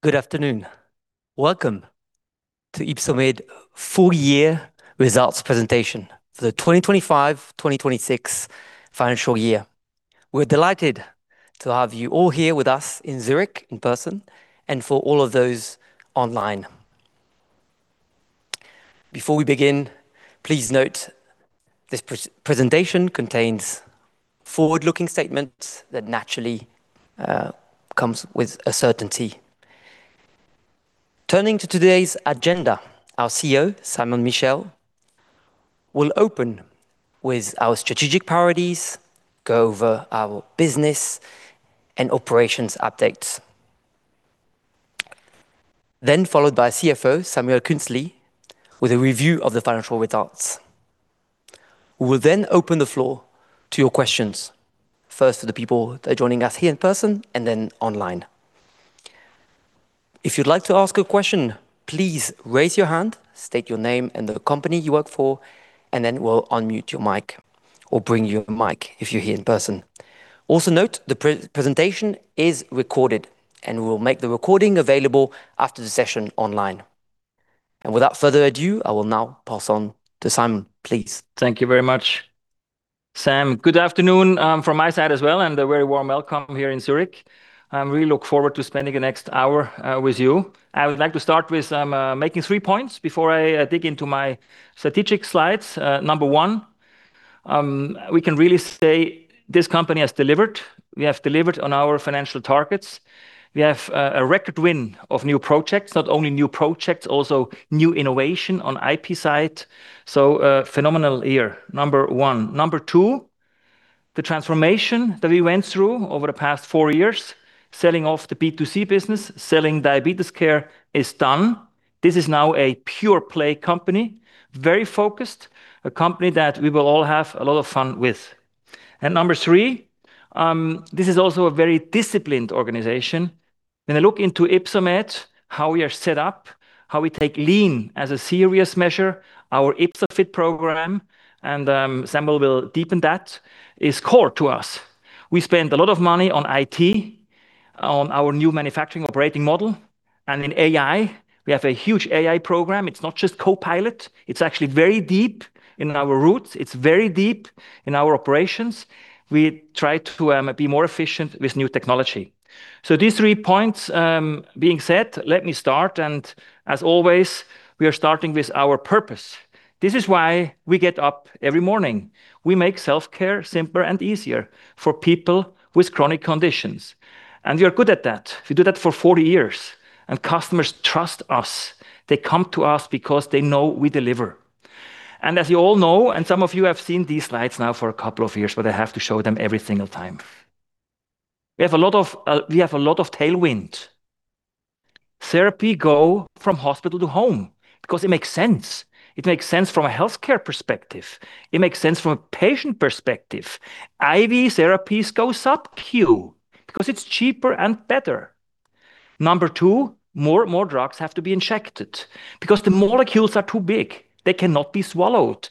Good afternoon. Welcome to Ypsomed full year results presentation for the 2025/2026 financial year. We're delighted to have you all here with us in Zurich in person and for all of those online. Before we begin, please note this presentation contains forward-looking statements that naturally comes with a certainty. Turning to today's agenda, our CEO, Simon Michel, will open with our strategic priorities, go over our business and operations updates. Then followed by CFO, Samuel Künzli, with a review of the financial results. We will then open the floor to your questions, first to the people that are joining us here in person and then online. If you'd like to ask a question, please raise your hand, state your name and the company you work for, and then we'll unmute your mic or bring you a mic if you're here in person. Note the pre-presentation is recorded, and we'll make the recording available after the session online. Without further ado, I will now pass on to Simon, please. Thank you very much. Sam, good afternoon, from my side as well and a very warm welcome here in Zurich. We really look forward to spending the next hour with you. I would like to start with some making three points before I dig into my strategic slides. Number one, we can really say this company has delivered. We have delivered on our financial targets. We have a record win of new projects, not only new projects, also new innovation on IP side. Phenomenal year, number one. Number one, the transformation that we went through over the past four years, selling off the B2C business, selling Diabetes Care is done. This is now a pure play company, very focused, a company that we will all have a lot of fun with. Number three, this is also a very disciplined organization. When I look into Ypsomed, how we are set up, how we take lean as a serious measure, our YpsoFIT program, and Samuel will deepen that, is core to us. We spend a lot of money on IT, on our new manufacturing operating model, and in AI. We have a huge AI program. It's not just Copilot, it's actually very deep in our roots. It's very deep in our operations. We try to be more efficient with new technology. These three points being said, let me start, and as always, we are starting with our purpose. This is why we get up every morning. We make self-care simpler and easier for people with chronic conditions, and we are good at that. We do that for 40 years, and customers trust us. They come to us because they know we deliver. As you all know, and some of you have seen these slides now for a couple of years, but I have to show them every single time. We have a lot of tailwind. Therapy go from hospital to home because it makes sense. It makes sense from a healthcare perspective. It makes sense from a patient perspective. IV therapies go subQ because it's cheaper and better. Number two, more drugs have to be injected because the molecules are too big. They cannot be swallowed.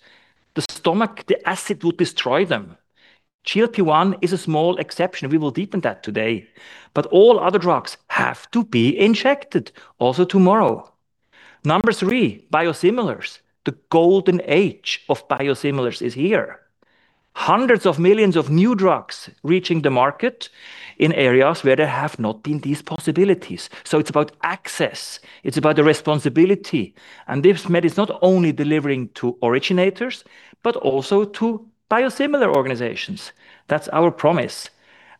The stomach, the acid would destroy them. GLP-1 is a small exception. We will deepen that today. All other drugs have to be injected also tomorrow. Number three, biosimilars. The golden age of biosimilars is here. Hundreds of millions of new drugs reaching the market in areas where there have not been these possibilities. It's about access, it's about the responsibility. This med is not only delivering to originators, but also to biosimilar organizations. That's our promise.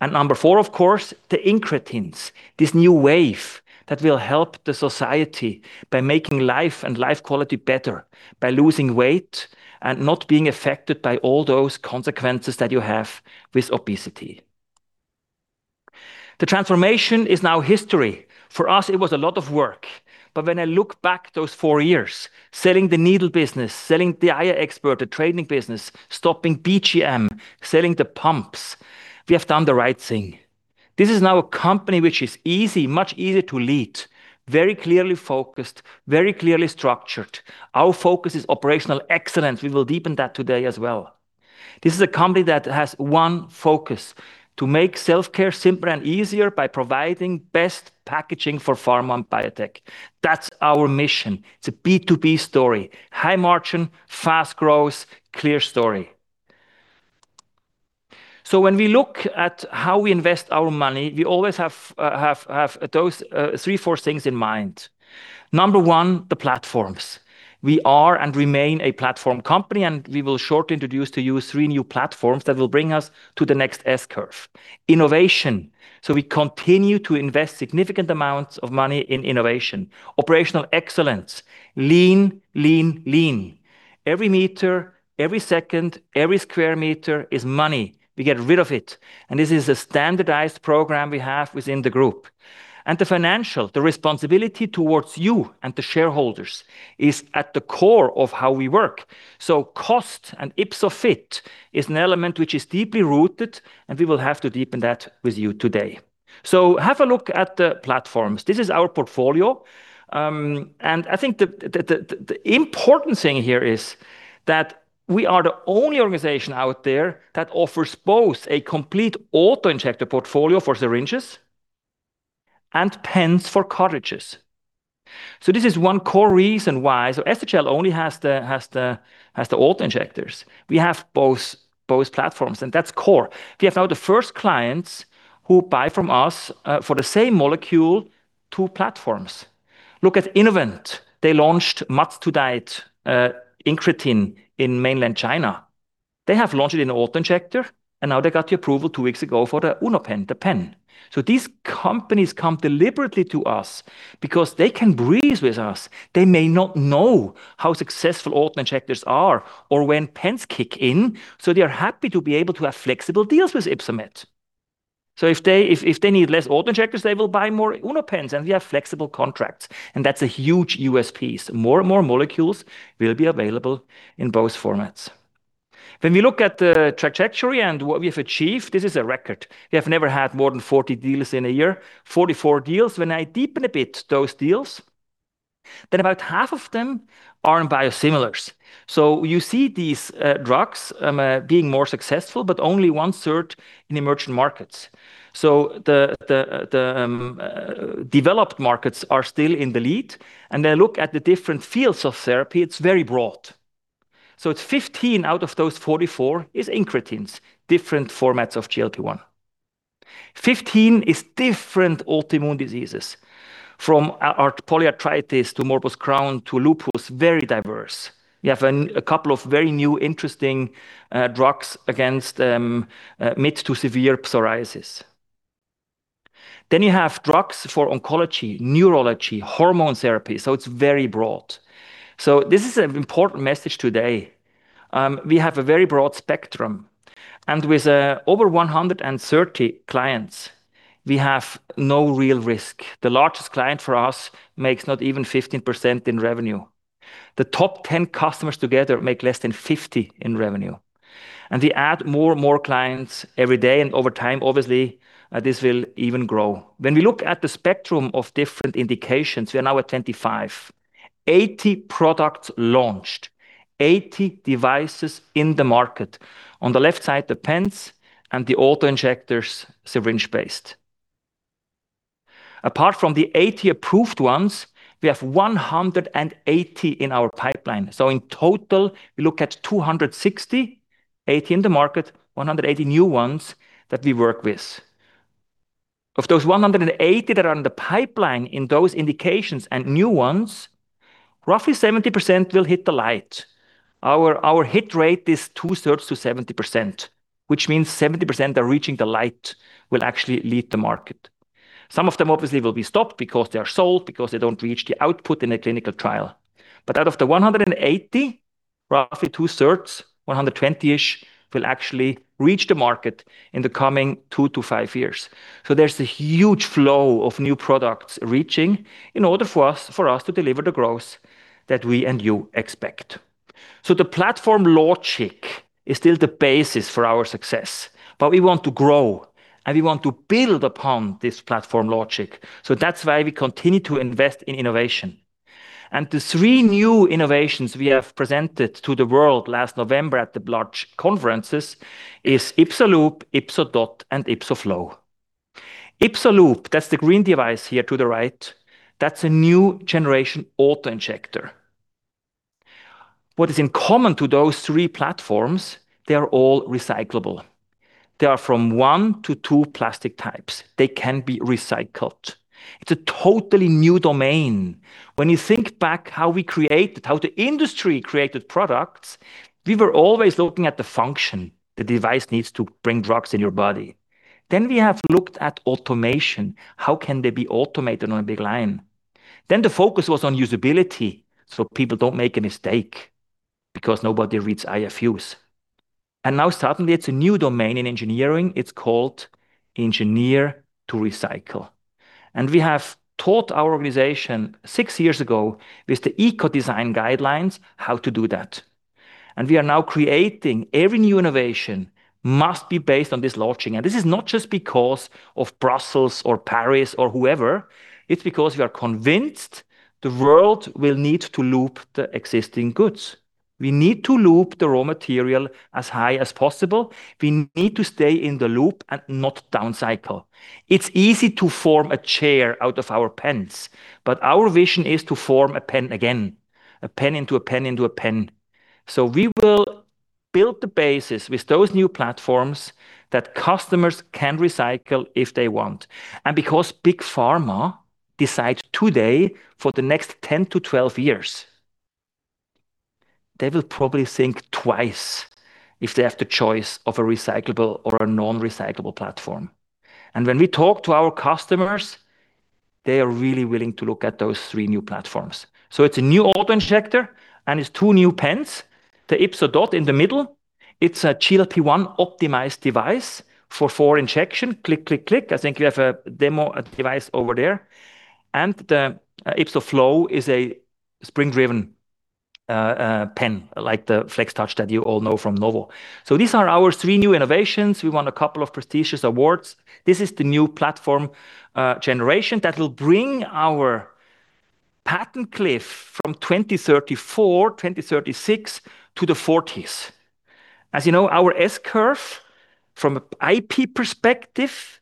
Number four, of course, the incretins, this new wave that will help the society by making life and life quality better by losing weight and not being affected by all those consequences that you have with obesity. The transformation is now history. For us, it was a lot of work, but when I look back those four years, selling the needle business, selling the DiaExpert, the training business, stopping BGMs, selling the pumps, we have done the right thing. This is now a company which is easy, much easier to lead, very clearly focused, very clearly structured. Our focus is operational excellence. We will deepen that today as well. This is a company that has one focus, to make self-care simpler and easier by providing best packaging for pharma and biotech. That's our mission. It's a B2B story, high margin, fast growth, clear story. When we look at how we invest our money, we always have those three, four things in mind. Number one, the platforms. We are and remain a platform company, and we will shortly introduce to you three new platforms that will bring us to the next S-curve. Innovation. We continue to invest significant amounts of money in innovation. Operational excellence, lean, lean. Every meter, every second, every square meter is money. We get rid of it, and this is a standardized program we have within the group. The financial, the responsibility towards you and the shareholders is at the core of how we work. Cost and YpsoFIT is an element which is deeply rooted, and we will have to deepen that with you today. Have a look at the platforms. This is our portfolio. I think the important thing here is that we are the only organization out there that offers both a complete auto-injector portfolio for syringes and pens for cartridges. This is one core reason why. SHL Medical only has the auto-injectors. We have both platforms, and that's core. We have now the first clients who buy from us for the same molecule, two platforms. Look at Innovent. They launched incretin in mainland China. They have launched it in auto-injector, now they got the approval two weeks ago for the UnoPen, the pen. These companies come deliberately to us because they can breathe with us. They may not know how successful auto-injectors are or when pens kick in, they are happy to be able to have flexible deals with Ypsomed. If they need less auto-injectors, they will buy more UnoPens, we have flexible contracts, that's a huge USP. More and more molecules will be available in both formats. When we look at the trajectory and what we have achieved, this is a record. We have never had more than 40 deals in a year. 44 deals. When I deepen a bit those deals, about half of them are in biosimilars. You see these drugs being more successful, but only 1/3 in emerging markets. The developed markets are still in the lead. Look at the different fields of therapy, it's very broad. It's 15 out of those 44 is incretins, different formats of GLP-1. 15 is different autoimmune diseases, from polyarthritis to Crohn's disease to lupus, very diverse. We have a couple of very new interesting drugs against mid to severe psoriasis. You have drugs for oncology, neurology, hormone therapy, it's very broad. This is an important message today. We have a very broad spectrum, and with over 130 clients, we have no real risk. The largest client for us makes not even 15% in revenue. The top 10 customers together make less than 50 in revenue. We add more and more clients every day, and over time, obviously, this will even grow. When we look at the spectrum of different indications, we are now at 25. 80 products launched. 80 devices in the market. On the left side, the pens and the auto-injectors, syringe-based. Apart from the 80 approved ones, we have 180 in our pipeline. In total, we look at 260, 80 in the market, 180 new ones that we work with. Of those 180 that are in the pipeline in those indications and new ones, roughly 70% will hit the light. Our hit rate is 2/3 to 70%, which means 70% are reaching the light will actually lead the market. Some of them obviously will be stopped because they are sold, because they don't reach the output in a clinical trial. Out of the 180, roughly 2/3, 120-ish, will actually reach the market in the coming two to five years. There's a huge flow of new products reaching in order for us, for us to deliver the growth that we and you expect. The platform logic is still the basis for our success. We want to grow, and we want to build upon this platform logic, that's why we continue to invest in innovation. The three new innovations we have presented to the world last November at the large conferences is YpsoLoop, YpsoDot, and YpsoFlow. YpsoLoop, that's the green device here to the right, that's a new generation auto-injector. What is in common to those three platforms, they are all recyclable. They are from one to two plastic types. They can be recycled. It's a totally new domain. When you think back how we created, how the industry created products, we were always looking at the function. The device needs to bring drugs in your body. We have looked at automation. How can they be automated on a big line? The focus was on usability, so people don't make a mistake because nobody reads IFUs. Now suddenly it's a new domain in engineering. It's called engineer to recycle. We have taught our organization six years ago with the Ecodesign guidelines how to do that. We are now creating every new innovation must be based on this logic. This is not just because of Brussels or Paris or whoever. It's because we are convinced the world will need to loop the existing goods. We need to loop the raw material as high as possible. We need to stay in the loop and not downcycle. It's easy to form a chair out of our pens, but our vision is to form a pen again, a pen into a pen into a pen. We will build the basis with those new platforms that customers can recycle if they want. Because big pharma decide today for the next 10 to 12 years, they will probably think twice if they have the choice of a recyclable or a non-recyclable platform. When we talk to our customers, they are really willing to look at those three new platforms. It's a new auto-injector, and it's two new pens. The YpsoDot in the middle, it's a GLP-1 optimized device for four injection. Click, click. I think you have a demo device over there. The YpsoFlow is a spring-driven pen, like the FlexTouch that you all know from Novo. These are our three new innovations. We won a couple of prestigious awards. This is the new platform generation that will bring our patent cliff from 2034, 2036 to the 40s. As you know, our S-curve from a IP perspective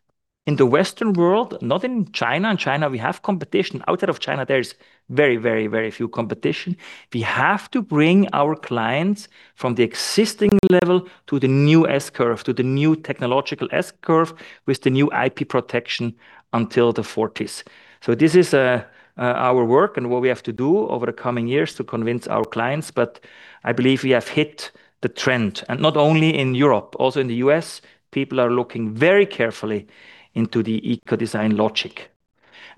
in the Western world, not in China. In China, we have competition. Outside of China, there is very, very, very few competition. We have to bring our clients from the existing level to the new S-curve, to the new technological S-curve with the new IP protection until the 40s. This is our work and what we have to do over the coming years to convince our clients, but I believe we have hit the trend, and not only in Europe, also in the U.S., people are looking very carefully into the Ecodesign logic.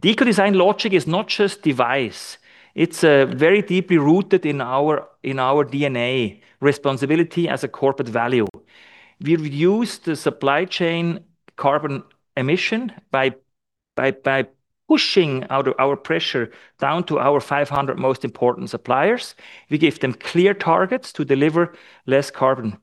The Ecodesign logic is not just device. It's very deeply rooted in our DNA, responsibility as a corporate value. We've reduced the supply chain carbon emission by pushing out our pressure down to our 500 most important suppliers. We give them clear targets to deliver less carbon,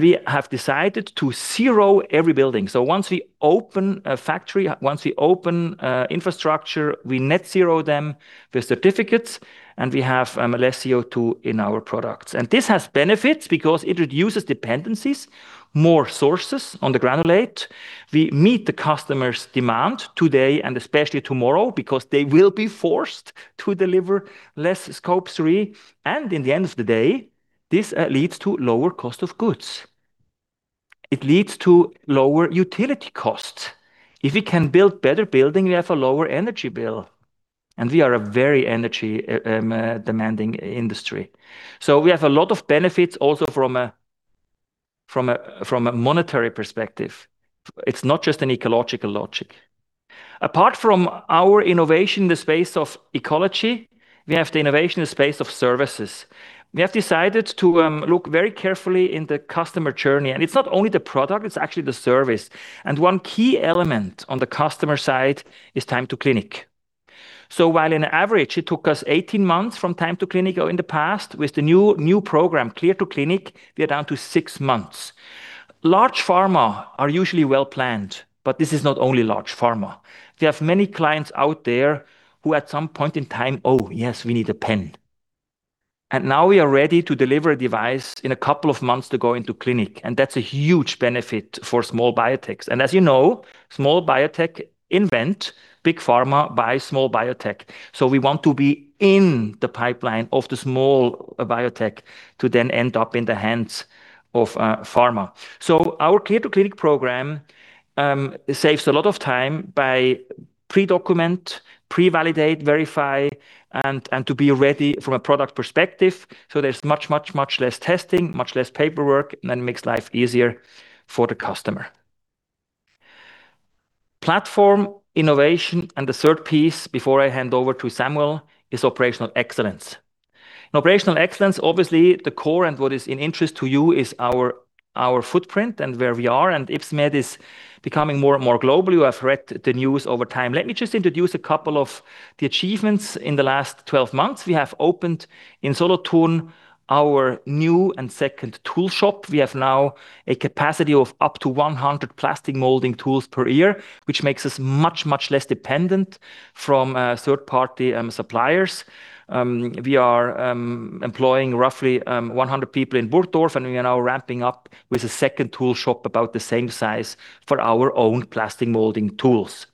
we have decided to zero every building. Once we open a factory, once we open a infrastructure, we net zero them with certificates, and we have less CO2 in our products. This has benefits because it reduces dependencies, more sources on the granulate. We meet the customer's demand today and especially tomorrow because they will be forced to deliver less Scope three. In the end of the day, this leads to lower cost of goods. It leads to lower utility costs. If we can build better building, we have a lower energy bill, and we are a very energy demanding industry. We have a lot of benefits also from a monetary perspective. It's not just an ecological logic. Apart from our innovation in the space of ecology, we have the innovation in the space of services. We have decided to look very carefully in the customer journey, and it's not only the product, it's actually the service. One key element on the customer side is time to clinic. While on average it took us 18 months from time to clinic or in the past, with the new program, Clear to Clinic, we are down to six months. Large pharma are usually well-planned, this is not only large pharma. We have many clients out there who at some point in time, "Oh, yes, we need a pen." Now we are ready to deliver a device in a couple of months to go into clinic, and that's a huge benefit for small biotechs. As you know, small biotech invent, big pharma buy small biotech. We want to be in the pipeline of the small biotech to then end up in the hands of pharma. Our Clear to Clinic program saves a lot of time by pre-document, pre-validate, verify, and to be ready from a product perspective. There's much less testing, much less paperwork, and then makes life easier for the customer. Platform innovation and the third piece before I hand over to Samuel is operational excellence. In operational excellence, obviously the core and what is in interest to you is our footprint and where we are, and Ypsomed is becoming more and more global. You have read the news over time. Let me just introduce a couple of the achievements in the last 12 months. We have opened in Solothurn our new and second tool shop. We have now a capacity of up to 100 plastic molding tools per year, which makes us much less dependent from third-party suppliers. We are employing roughly 100 people in Burgdorf, and we are now ramping up with a second tool shop about the same size for our own plastic molding tools.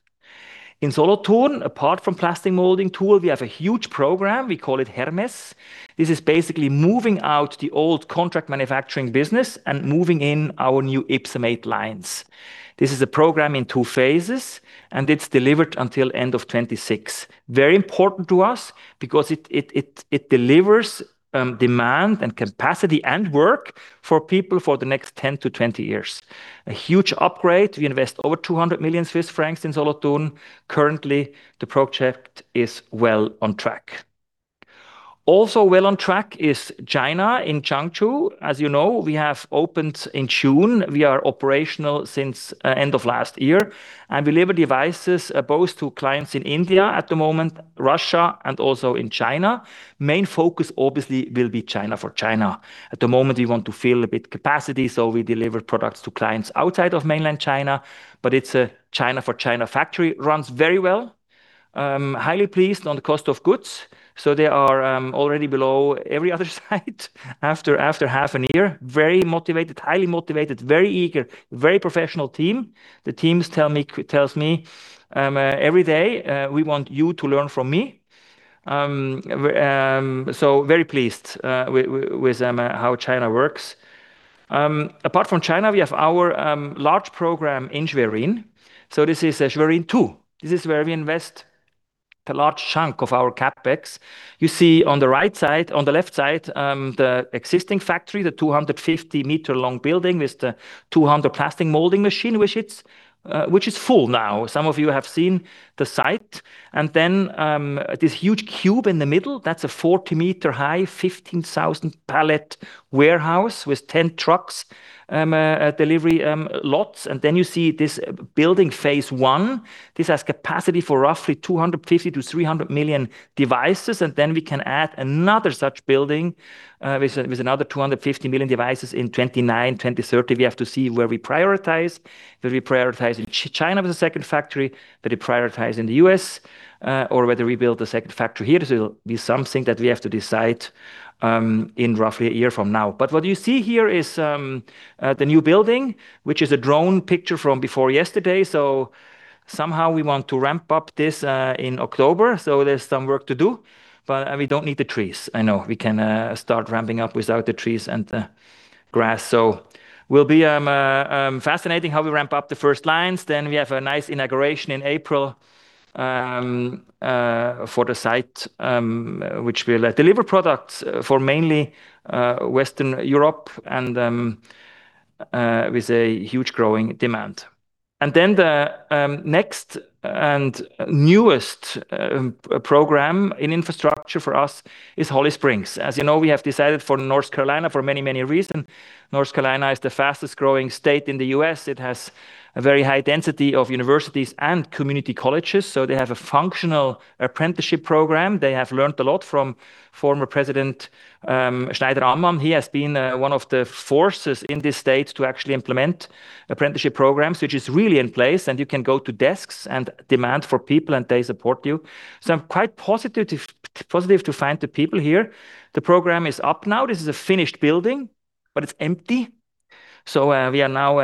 In Solothurn, apart from plastic molding tool, we have a huge program, we call it Hermes. This is basically moving out the old contract manufacturing business and moving in our new Ypsomed lines. This is a program in two phases, and it's delivered until end of 2026. Very important to us because it delivers demand and capacity and work for people for the next 10-20 years. A huge upgrade. We invest over 200 million Swiss francs in Solothurn. Currently, the project is well on track. Also well on track is China in Changzhou. As you know, we have opened in June. We are operational since end of last year, and we deliver devices both to clients in India at the moment, Russia, and also in China. Main focus obviously will be China for China. At the moment, we want to fill a bit capacity, so we deliver products to clients outside of mainland China, but it's a China for China factory. Runs very well. Highly pleased on the cost of goods, so they are already below every other site after half an year. Very motivated, highly motivated, very eager, very professional team. The teams tells me, "Every day, we want you to learn from me." We're so very pleased with how China works. Apart from China, we have our large program in Schwerin. This is Schwerin II. This is where we invest a large chunk of our CapEx. You see on the left side, the existing factory, the 250 m long building with the 200 plastic molding machine, which is full now. Some of you have seen the site. This huge cube in the middle, that's a 40 m high, 15,000 pallet warehouse with 10 trucks, delivery lots. You see this building phase one. This has capacity for roughly 250 to 300 million devices, we can add another such building with another 250 million devices in 2029, 2030. We have to see where we prioritize. Whether we prioritize in China as a second factory, whether we prioritize in the U.S., or whether we build a second factory here. This will be something that we have to decide in roughly a year from now. What you see here is the new building, which is a drone picture from before yesterday. Somehow we want to ramp up this in October, so there's some work to do. We don't need the trees. I know. We can start ramping up without the trees and the grass. Will be fascinating how we ramp up the first lines. We have a nice inauguration in April for the site, which will deliver products for mainly Western Europe and with a huge growing demand. The next and newest program in infrastructure for us is Holly Springs. As you know, we have decided for North Carolina for many, many reason. North Carolina is the fastest growing state in the U.S. It has a very high density of universities and community colleges, so they have a functional apprenticeship program. They have learnt a lot from former President Schneider-Ammann. He has been one of the forces in this state to actually implement apprenticeship programs, which is really in place, and you can go to desks and demand for people, and they support you. I'm quite positive to find the people here. The program is up now. This is a finished building, but it's empty. We are now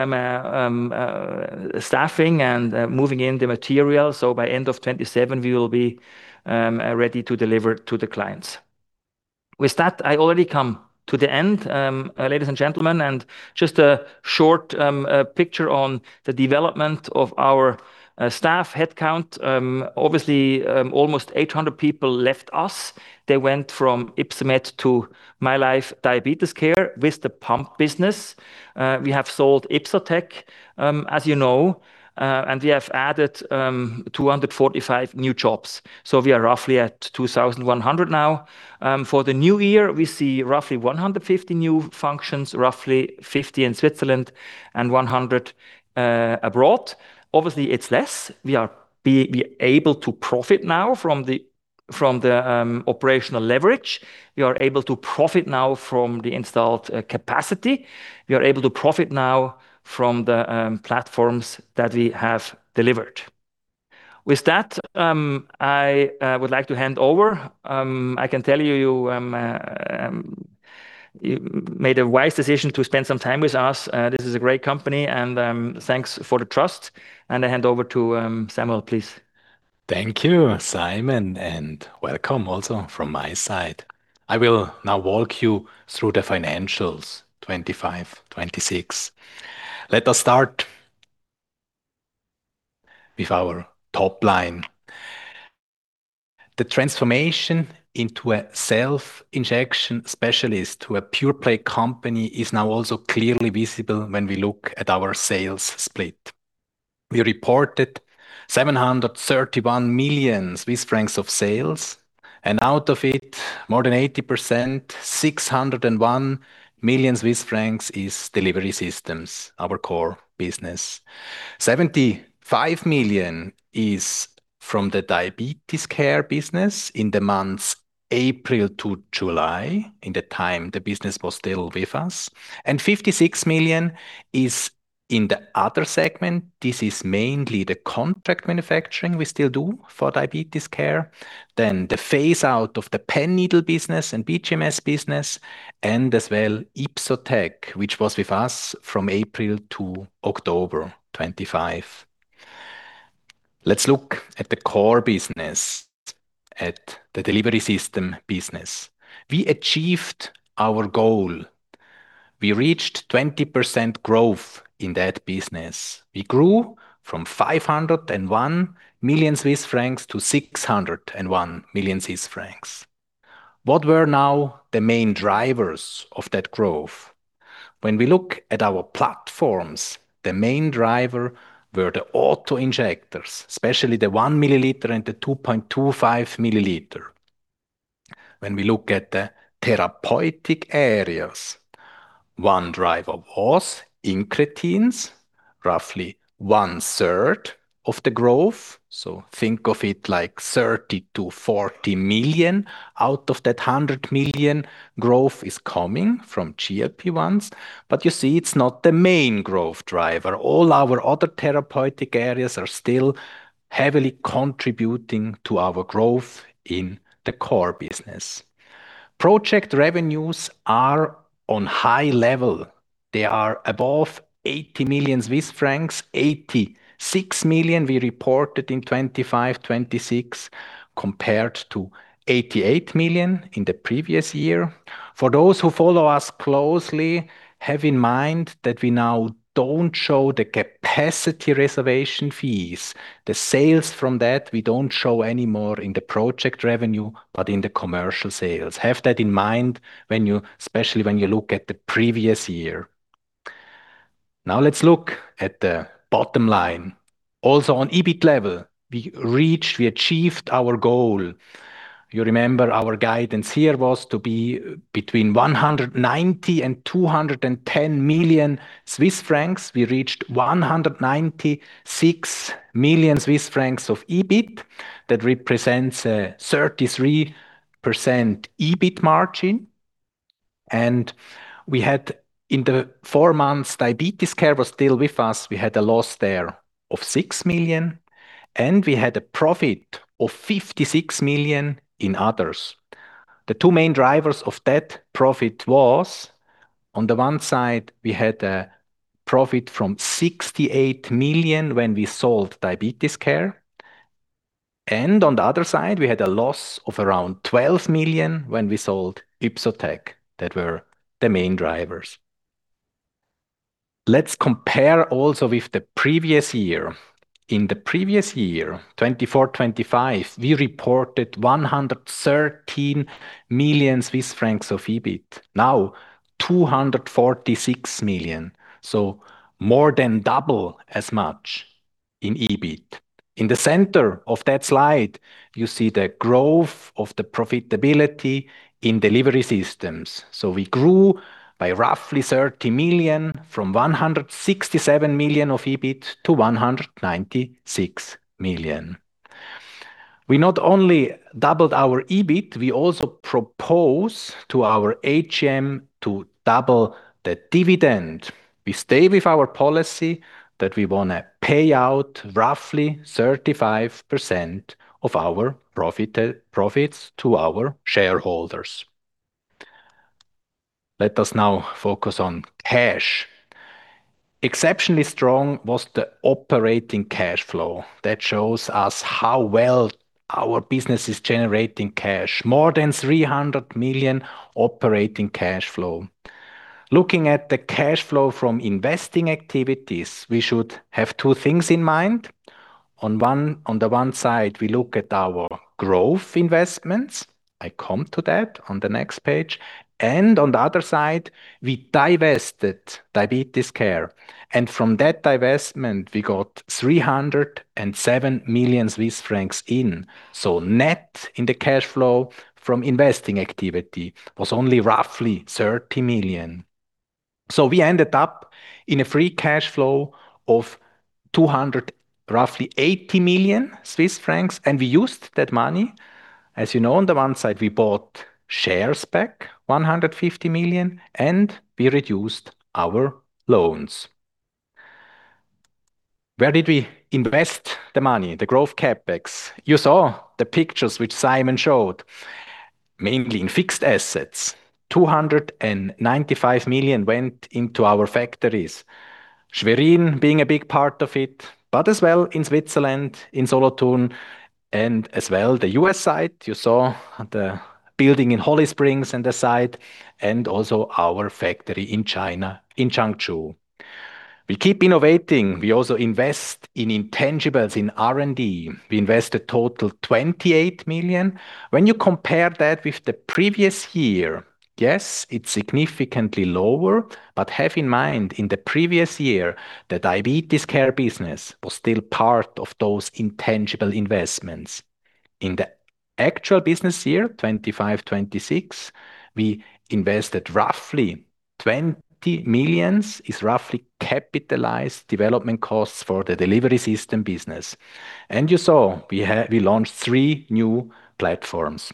staffing and moving in the material, so by end of 2027 we will be ready to deliver to the clients. With that, I already come to the end, ladies and gentlemen, and just a short picture on the development of our staff headcount. Obviously, almost 800 people left us. They went from Ypsomed to mylife Diabetescare with the pump business. We have sold Ypsotec, as you know, and we have added 245 new jobs. We are roughly at 2,100 now. For the new year, we see roughly 150 new functions, roughly 50 in Switzerland and 100 abroad. Obviously it's less. We are able to profit now from the, from the operational leverage. We are able to profit now from the installed capacity. We are able to profit now from the platforms that we have delivered. With that, I would like to hand over. I can tell you made a wise decision to spend some time with us. This is a great company and thanks for the trust. I hand over to Samuel, please. Thank you, Simon Michel, and welcome also from my side. I will now walk you through the financials 2025, 2026. Let us start with our top line. The transformation into a self-injection specialist to a pure play company is now also clearly visible when we look at our sales split. We reported 731 million Swiss francs of sales, and out of it more than 80%, 601 million Swiss francs is Ypsomed Delivery Systems, our core business. 75 million is from the Ypsomed Diabetes Care business in the months April to July, in the time the business was still with us. 56 million is in the other segment. This is mainly the contract manufacturing we still do for Ypsomed Diabetes Care. The phase out of the pen needle business and BGMs business, and as well Ypsotec, which was with us from April to October 2025. Let's look at the core business, at the Delivery Systems business. We achieved our goal. We reached 20% growth in that business. We grew from 501 million Swiss francs to 601 million Swiss francs. What were now the main drivers of that growth? When we look at our platforms, the main driver were the autoinjectors, especially the 1 ml and the 2.25 ml. When we look at the therapeutic areas, one driver was incretins, roughly 1/3 of the growth. Think of it like 30 million-40 million out of that 100 million growth is coming from GLP-1s. You see it's not the main growth driver. All our other therapeutic areas are still heavily contributing to our growth in the core business. Project revenues are on high level. They are above 80 million Swiss francs, 86 million we reported in 2025/2026, compared to 88 million in the previous year. For those who follow us closely, have in mind that we now don't show the capacity reservation fees. The sales from that we don't show anymore in the project revenue, but in the commercial sales. Have that in mind when you, especially when you look at the previous year. Let's look at the bottom line. On EBIT level, we achieved our goal. You remember our guidance here was to be between 190 million and 210 million Swiss francs. We reached 196 million Swiss francs of EBIT. That represents a 33% EBIT margin. We had, in the four months, Diabetes Care was still with us, we had a loss there of 6 million, and we had a profit of 56 million in others. The two main drivers of that profit was, on the one side, we had a profit from 68 million when we sold Diabetes Care, and on the other side, we had a loss of around 12 million when we sold Ypsotec. That were the main drivers. Let's compare also with the previous year. In the previous year, 2024/2025, we reported 113 million Swiss francs of EBIT. Now 246 million, so more than double as much in EBIT. In the center of that slide, you see the growth of the profitability in Delivery Systems. We grew by roughly 30 million from 167 million of EBIT to 196 million. We not only doubled our EBIT, we also propose to our AGM to double the dividend. We stay with our policy that we want to pay out roughly 35% of our profits to our shareholders. Let us now focus on cash. Exceptionally strong was the operating cash flow. That shows us how well our business is generating cash, more than 300 million operating cash flow. Looking at the cash flow from investing activities, we should have two things in mind. On the one side, we look at our growth investments, I come to that on the next page. On the other side, we divested Diabetes Care, and from that divestment, we got 307 million Swiss francs in. Net in the cash flow from investing activity was only roughly 30 million. We ended up in a free cash flow of 280 million Swiss francs, and we used that money. As you know, on the one side, we bought shares back, 150 million, and we reduced our loans. Where did we invest the money? The growth CapEx. You saw the pictures which Simon showed, mainly in fixed assets. 295 million went into our factories, Schwerin being a big part of it, but as well in Switzerland, in Solothurn, and as well the US site. You saw the building in Holly Springs and the site, and also our factory in China, in Changzhou. We keep innovating. We also invest in intangibles, in R&D. We invest a total 28 million. When you compare that with the previous year, yes, it is significantly lower. Have in mind, in the previous year, the Diabetes Care business was still part of those intangible investments. In the actual business year, 2025/2026, we invested roughly 20 million, is roughly capitalized development costs for the Ypsomed Delivery Systems business. You saw we launched three new platforms.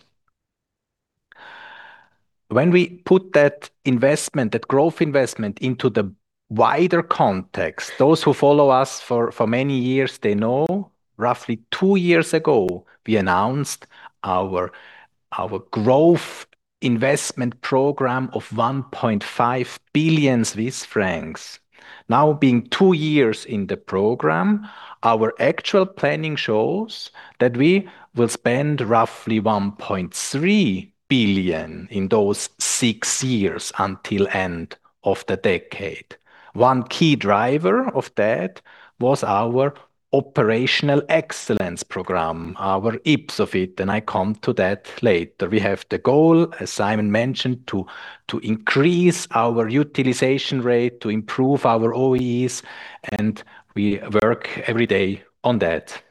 When we put that investment, that growth investment into the wider context, those who follow us for many years, they know roughly two years ago, we announced our growth investment program of 1.5 billion Swiss francs. Now being two years in the program, our actual planning shows that we will spend roughly 1.3 billion in those six years until end of the decade. One key driver of that was our operational excellence program, our YpsoFIT. I come to that later. We have the goal, as Simon mentioned, to increase our utilization rate, to improve our OEEs. We work every day on that.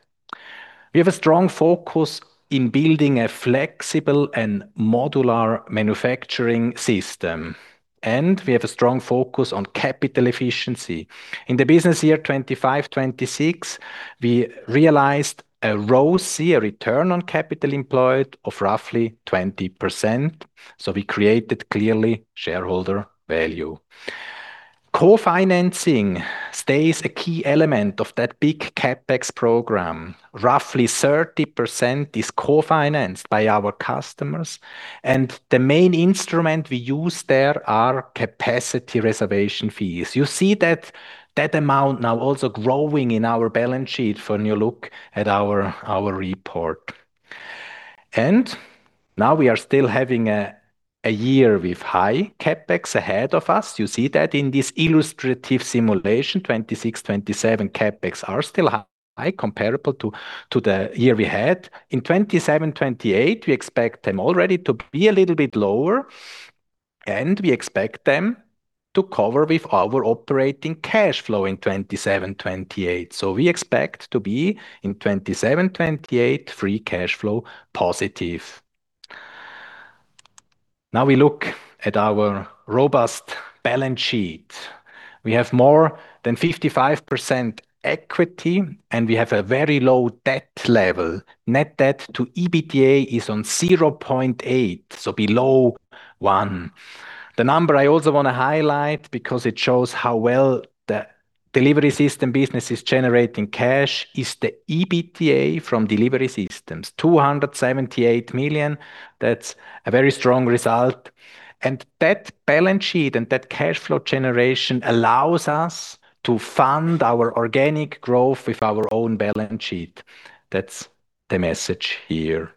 We have a strong focus in building a flexible and modular manufacturing system, and we have a strong focus on capital efficiency. In the business year 2025/2026, we realized a ROCE, a return on capital employed, of roughly 20%, so we created clearly shareholder value. Co-financing stays a key element of that big CapEx program. Roughly 30% is co-financed by our customers, and the main instrument we use there are capacity reservation fees. You see that amount now also growing in our balance sheet when you look at our report. Now we are still having a year with high CapEx ahead of us. You see that in this illustrative simulation, 2026, 2027 CapEx are still high comparable to the year we had. In 2027, 2028, we expect them already to be a little bit lower, and we expect them to cover with our operating cash flow in 2027, 2028. We expect to be, in 2027, 2028, free cash flow positive. Now we look at our robust balance sheet. We have more than 55% equity, and we have a very low debt level. Net debt to EBITDA is on 0.8, so below one. The number I also wanna highlight, because it shows how well the delivery system business is generating cash, is the EBITDA from delivery systems, 278 million. That's a very strong result. That balance sheet and that cash flow generation allows us to fund our organic growth with our own balance sheet. That's the message here.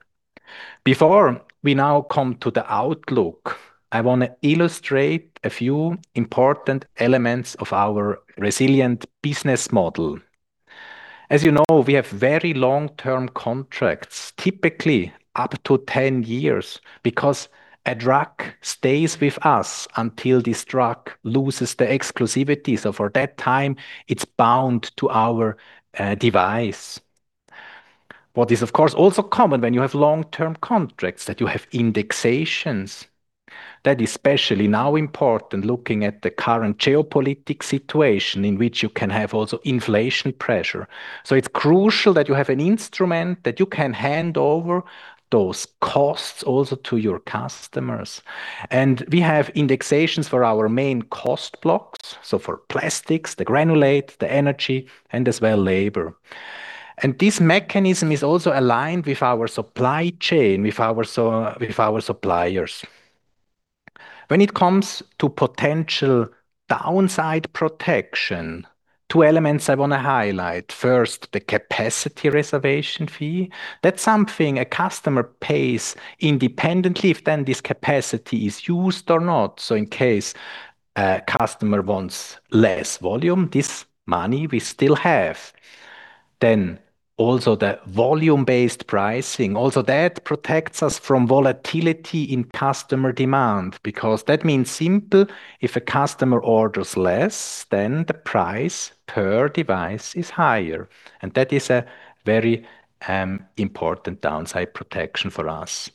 Before we now come to the outlook, I want to illustrate a few important elements of our resilient business model. As you know, we have very long-term contracts, typically up to 10 years, because a drug stays with us until this drug loses the exclusivity. For that time, it's bound to our device. What is, of course, also common when you have long-term contracts, that you have indexations. That is especially now important looking at the current geopolitical situation in which you can have also inflation pressure. It's crucial that you have an instrument that you can hand over those costs also to your customers. We have indexations for our main cost blocks, so for plastics, the granulate, the energy, and as well labor. This mechanism is also aligned with our supply chain, with our suppliers. When it comes to potential downside protection, two elements I wanna highlight. First, the capacity reservation fee. That's something a customer pays independently if then this capacity is used or not. In case a customer wants less volume, this money we still have. Also the volume-based pricing, also that protects us from volatility in customer demand, because that means simple, if a customer orders less, then the price per device is higher. That is a very important downside protection for us.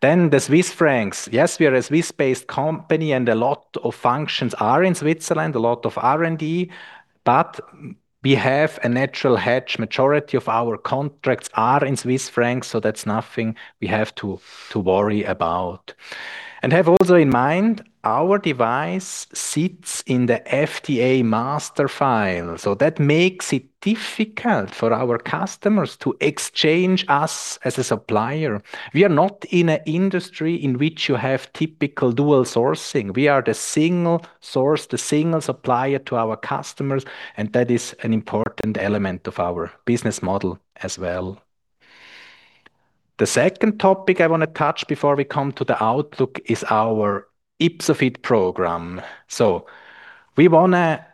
The Swiss francs. Yes, we are a Swiss-based company and a lot of functions are in Switzerland, a lot of R&D, but we have a natural hedge. Majority of our contracts are in Swiss francs, so that's nothing we have to worry about. Have also in mind, our device sits in the FDA master file, so that makes it difficult for our customers to exchange us as a supplier. We are not in a industry in which you have typical dual sourcing. We are the single source, the single supplier to our customers, and that is an important element of our business model as well. The second topic I want to touch before we come to the outlook is our YpsoFIT program. We want to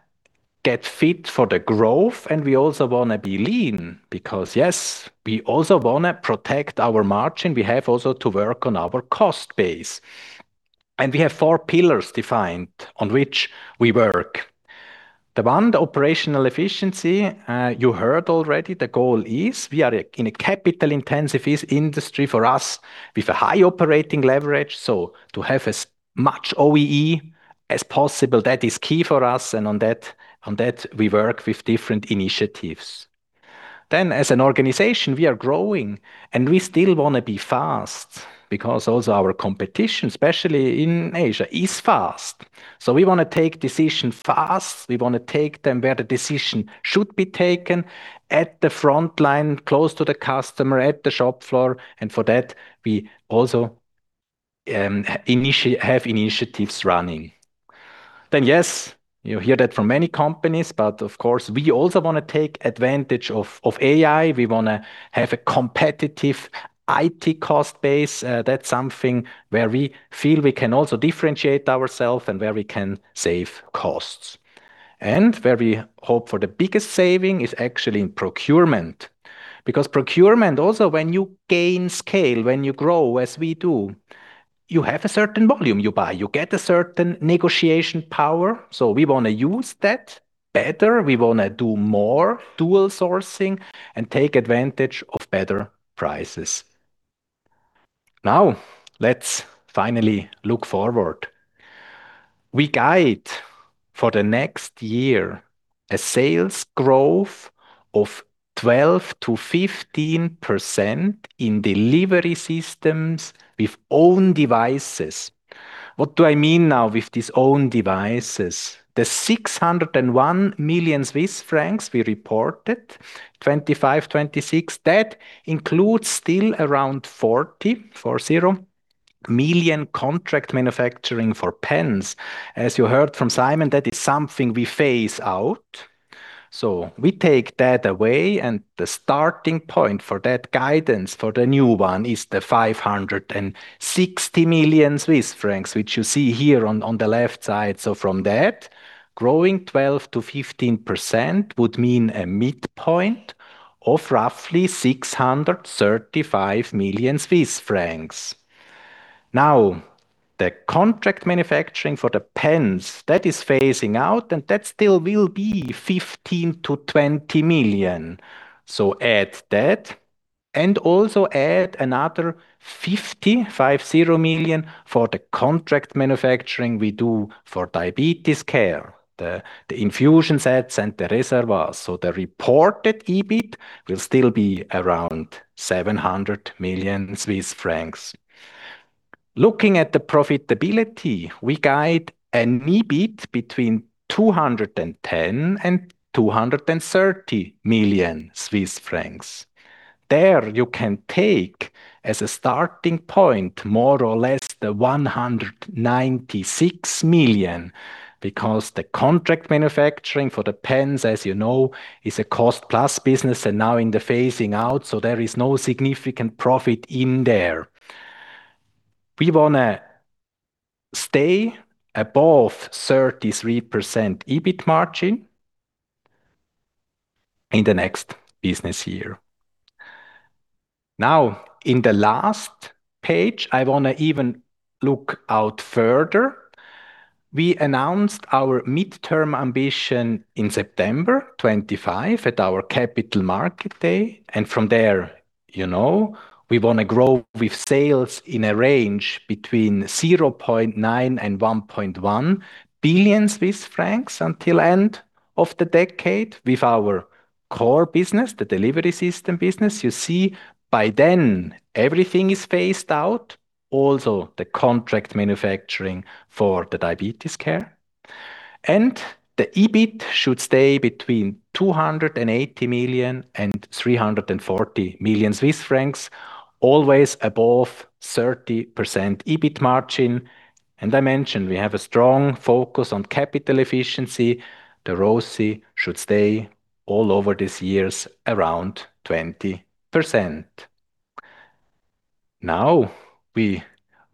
get fit for the growth, and we also want to be lean because, yes, we also want to protect our margin. We have also to work on our cost base. We have four pillars defined on which we work. The one, the operational efficiency, you heard already the goal is we are in a capital-intensive industry for us with a high operating leverage. To have as much OEE as possible, that is key for us, and on that, we work with different initiatives. As an organization, we are growing, and we still wanna be fast because also our competition, especially in Asia, is fast. We wanna take decision fast. We wanna take them where the decision should be taken, at the front line, close to the customer, at the shop floor. For that, we also have initiatives running. Yes, you hear that from many companies, but of course, we also wanna take advantage of AI. We wanna have a competitive IT cost base. That's something where we feel we can also differentiate ourself and where we can save costs. Where we hope for the biggest saving is actually in procurement. Procurement also when you gain scale, when you grow as we do, you have a certain volume you buy. You get a certain negotiation power. We want to use that better. We want to do more dual sourcing and take advantage of better prices. Now, let's finally look forward. We guide for the next year a sales growth of 12%-15% in Delivery Systems with own devices. What do I mean now with these own devices? The 601 million Swiss francs we reported 2025, 2026, that includes still around 40 million contract manufacturing for pens. As you heard from Simon Michel, that is something we phase out. We take that away, and the starting point for that guidance for the new one is the 560 million Swiss francs, which you see here on the left side. From that, growing 12%-15% would mean a midpoint of roughly 635 million Swiss francs. The contract manufacturing for the pens, that is phasing out, and that still will be 15 million-20 million. Add that, and also add another 50 million for the contract manufacturing we do for diabetes care, the infusion sets and the reservoirs. The reported EBIT will still be around 700 million Swiss francs. Looking at the profitability, we guide an EBIT between 210 million and 230 million Swiss francs. There you can take as a starting point, more or less the 196 million, because the contract manufacturing for the pens, as you know, is a cost-plus business and now in the phasing out, so there is no significant profit in there. We wanna stay above 33% EBIT margin in the next business year. Now, in the last page, I wanna even look out further. We announced our midterm ambition in September 2025 at our capital market day. From there, you know, we wanna grow with sales in a range between 0.9 billion and 1.1 billion Swiss francs until end of the decade with our core business, the delivery system business. You see by then everything is phased out, also the contract manufacturing for the diabetes care. The EBIT should stay between 280 million and 340 million Swiss francs, always above 30% EBIT margin. I mentioned we have a strong focus on capital efficiency. The ROCE should stay all over these years around 20%. Now we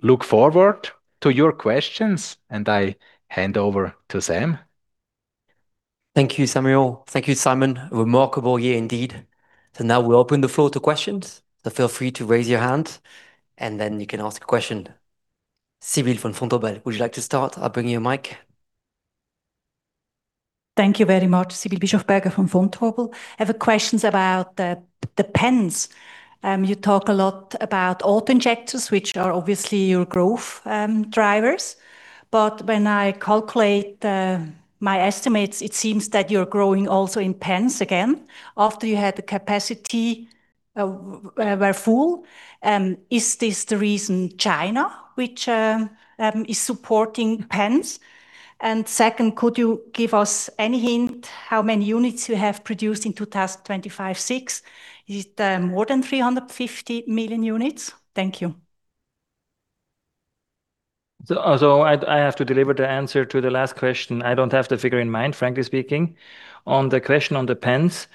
look forward to your questions, and I hand over to Sam. Thank you, Samuel. Thank you, Simon. A remarkable year indeed. Now we'll open the floor to questions. Feel free to raise your hand, and then you can ask a question. Sibylle von Vontobel, would you like to start? I'll bring you a mic. Thank you very much, Sibylle Bischofberger, Vontobel. I have questions about the pens. You talk a lot about autoinjectors, which are obviously your growth drivers. When I calculate my estimates, it seems that you're growing also in pens again after you had the capacity were full. Is this the reason China, which is supporting pens? Second, could you give us any hint how many units you have produced in 2025/2026? Is it more than 350 million units? Thank you. I have to deliver the answer to the last question. I don't have the figure in mind, frankly speaking. On the question on the pens,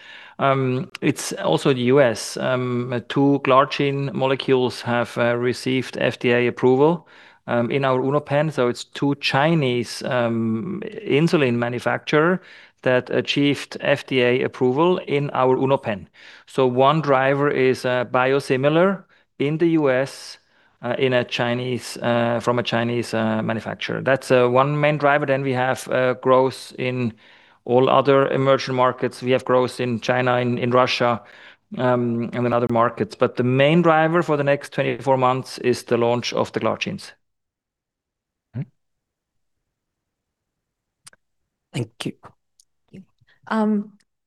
it's also the U.S. two glargine molecules have received FDA approval in our UnoPen. It's two Chinese insulin manufacturer that achieved FDA approval in our UnoPen. one driver is biosimilar in the U.S. from a Chinese manufacturer. That's one main driver. We have growth in all other emerging markets. We have growth in China, in Russia, and in other markets. The main driver for the next 24 months is the launch of the glargines. Thank you.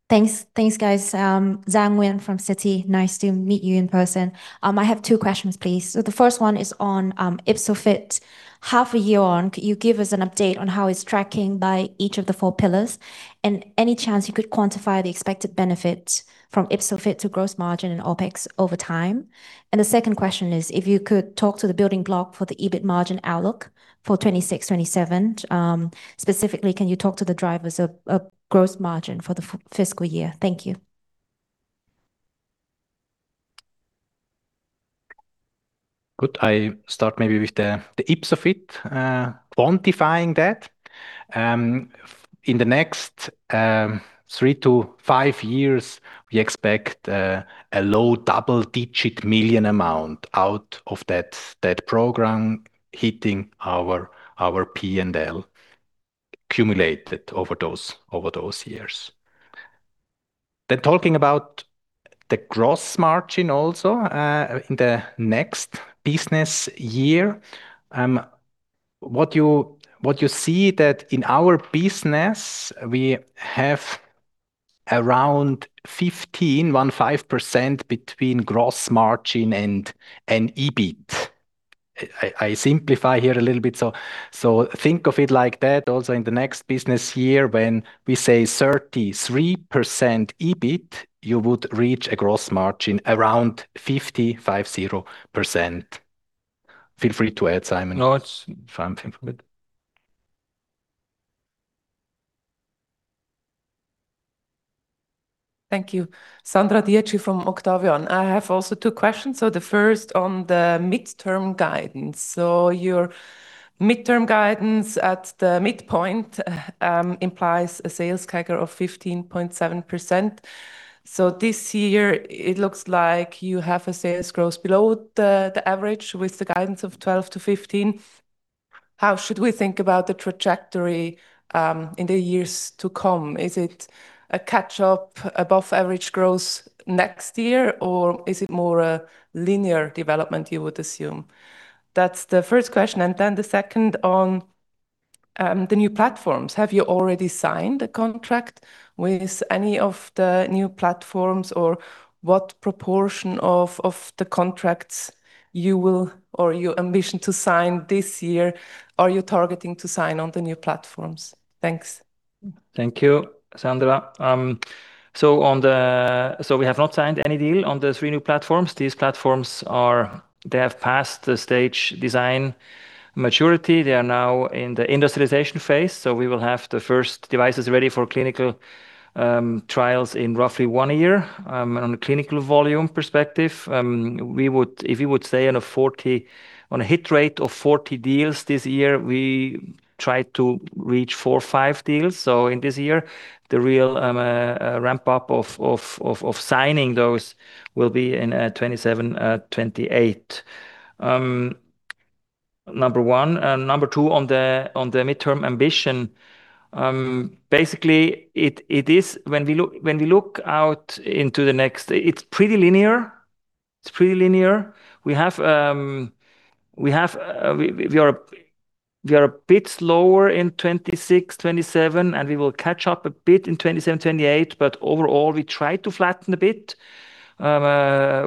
Thanks. Thanks, guys. Giang Nguyen from Citi. Nice to meet you in person. I have two questions, please. The first one is on YpsoFIT. Half a year on, could you give us an update on how it's tracking by each of the four pillars? Any chance you could quantify the expected benefit from YpsoFIT to gross margin and OpEx over time? The second question is, if you could talk to the building block for the EBIT margin outlook for 2026, 2027. Specifically, can you talk to the drivers of gross margin for the fiscal year? Thank you. Good. I start maybe with the YpsoFIT, quantifying that. In the next three to five years, we expect a low double-digit million amount out of that program hitting our P&L accumulated over those years. Talking about the gross margin also in the next business year, what you see that in our business we have around 15% between gross margin and EBIT. I simplify here a little bit, so think of it like that. Also in the next business year when we say 33% EBIT, you would reach a gross margin around 50%. Feel free to add, Simon. No, it's fine. I think I'm good. Thank you. Sandra Dietschy from Octavian. I have also two questions. The first on the midterm guidance. Your midterm guidance at the midpoint implies a sales CAGR of 15.7%. This year it looks like you have a sales growth below the average with the guidance of 12%-15%. How should we think about the trajectory in the years to come? Is it a catch-up above average growth next year, or is it more a linear development you would assume? That's the first question. The second on the new platforms. Have you already signed a contract with any of the new platforms or what proportion of the contracts you will or you ambition to sign this year are you targeting to sign on the new platforms? Thanks. Thank you, Sandra. We have not signed any deal on the three new platforms. These platforms have passed the stage design maturity. They are now in the industrialization phase, we will have the first devices ready for clinical trials in roughly one year. On a clinical volume perspective, if you would say on a hit rate of 40 deals this year, we try to reach four or five deals. In this year the real ramp-up of signing those will be in 2027, 2028. Number one and number two on the midterm ambition, basically it is when we look out into the next, it's pretty linear. It's pretty linear. We have, we are a bit slower in 2026, 2027, and we will catch up a bit in 2027, 2028. Overall, we try to flatten a bit,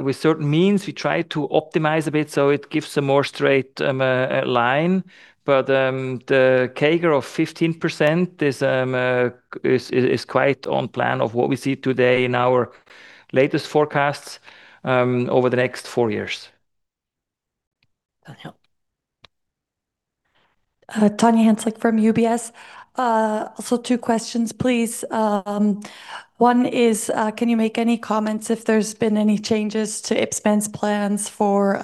with certain means we try to optimize a bit, so it gives a more straight line. The CAGR of 15% is quite on plan of what we see today in our latest forecasts over the next four years. Tanya Hansalik from UBS. Also two questions, please. One is, can you make any comments if there's been any changes to Ypsomed's plans for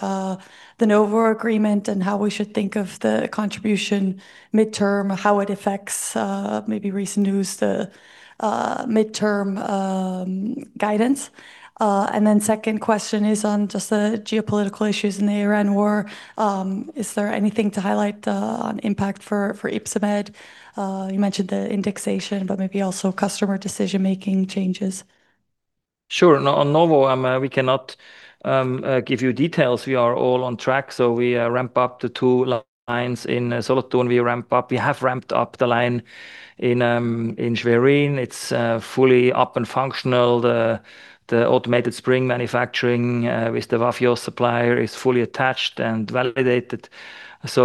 the Novo agreement and how we should think of the contribution midterm, how it affects maybe recent news, the midterm guidance? Second question is on just the geopolitical issues in the Iran war. Is there anything to highlight on impact for Ypsomed? You mentioned the indexation, but maybe also customer decision-making changes. Sure. On Novo Nordisk, we cannot give you details. We are all on track. We ramp up the two lines in Solothurn. We have ramped up the line in Schwerin. It's fully up and functional. The automated spring manufacturing with the Vaillant supplier is fully attached and validated. We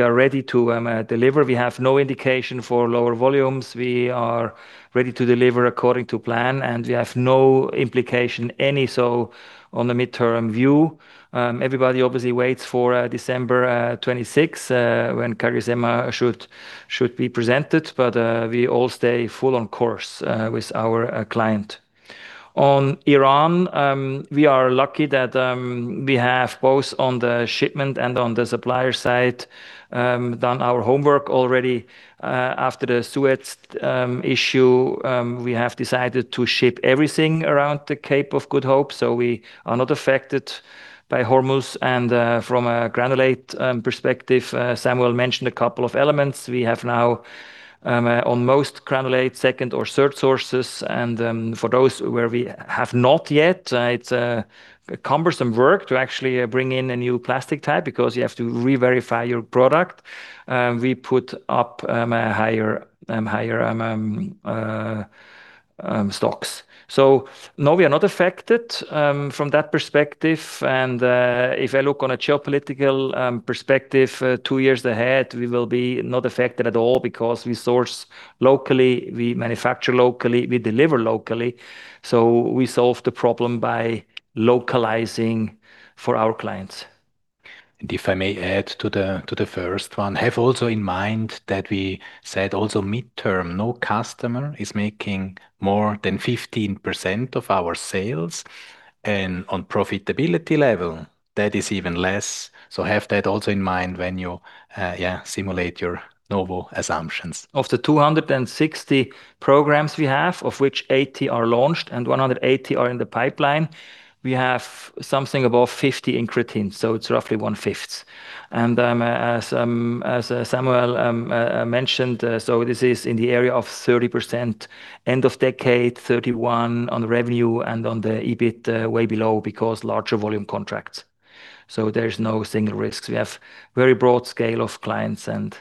are ready to deliver. We have no indication for lower volumes. We are ready to deliver according to plan. We have no implication on the midterm view. Everybody obviously waits for December 26 when CagriSema should be presented. We all stay full on course with our client. On Iran, we are lucky that we have both on the shipment and on the supplier side done our homework already. After the Suez issue, we have decided to ship everything around the Cape of Good Hope, so we are not affected by Hormuz. From a granulate perspective, Samuel mentioned a couple of elements. We have now on most granulate, second or third sources and for those where we have not yet, it's cumbersome work to actually bring in a new plastic type because you have to reverify your product. We put up a higher stocks. No, we are not affected from that perspective. If I look on a geopolitical perspective, two years ahead, we will be not affected at all because we source locally, we manufacture locally, we deliver locally. We solve the problem by localizing for our clients. If I may add to the, to the first one, have also in mind that we said also midterm, no customer is making more than 15% of our sales. On profitability level, that is even less. Have that also in mind when you simulate your Novo assumptions. Of the 260 programs we have, of which 80 are launched and 180 are in the pipeline, we have something above 50 in incretins, so it's roughly one-fifth. As Samuel mentioned, this is in the area of 30% end of decade, 31 on revenue and on the EBIT way below because larger volume contracts. There is no single risks. We have very broad scale of clients and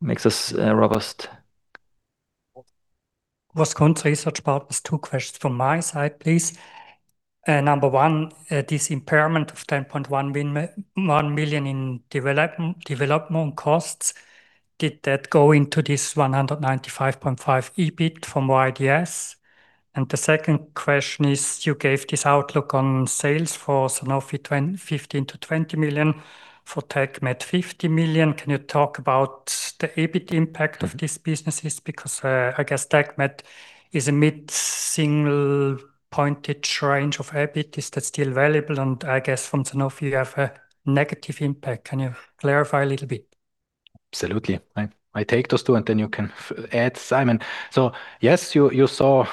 makes us robust. Vasco Research Partners, two questions from my side, please. Number one, this impairment of 10.1 million in development costs, did that go into this 195.5 EBIT from YDS? The second question is, you gave this outlook on sales for Sanofi 15 million to 20 million, for TecMed, 50 million. Can you talk about the EBIT impact of these businesses? Because, I guess TecMed is a mid-single-digit range of EBIT. Is that still valuable? I guess from Sanofi you have a negative impact. Can you clarify a little bit? Absolutely. I take those two, then you can add, Simon. Yes, you saw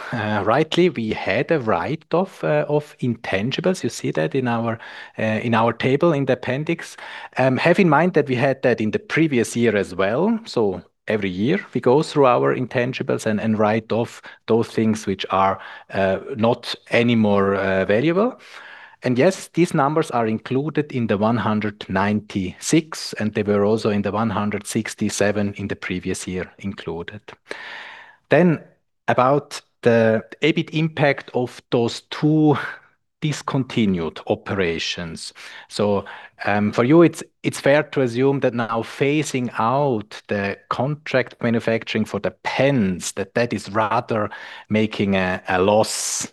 rightly we had a write-off of intangibles. You see that in our in our table in the appendix. Have in mind that we had that in the previous year as well, every year we go through our intangibles and write off those things which are not any more valuable. Yes, these numbers are included in the 196, and they were also in the 167 in the previous year included. About the EBIT impact of those two discontinued operations. For you it's fair to assume that now phasing out the contract manufacturing for the pens, that is rather making a loss,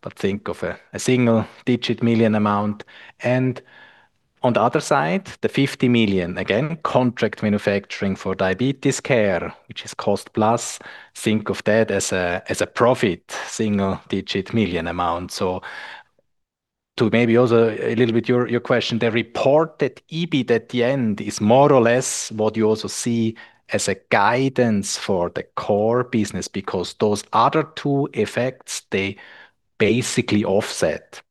but think of a single-digit million CHF amount. On the other side, the 50 million, again, contract manufacturing for Diabetes Care, which is cost plus, think of that as a profit single-digit million amount. To maybe also a little bit your question, the reported EBIT at the end is more or less what you also see as a guidance for the core business because those other two effects, they basically offset.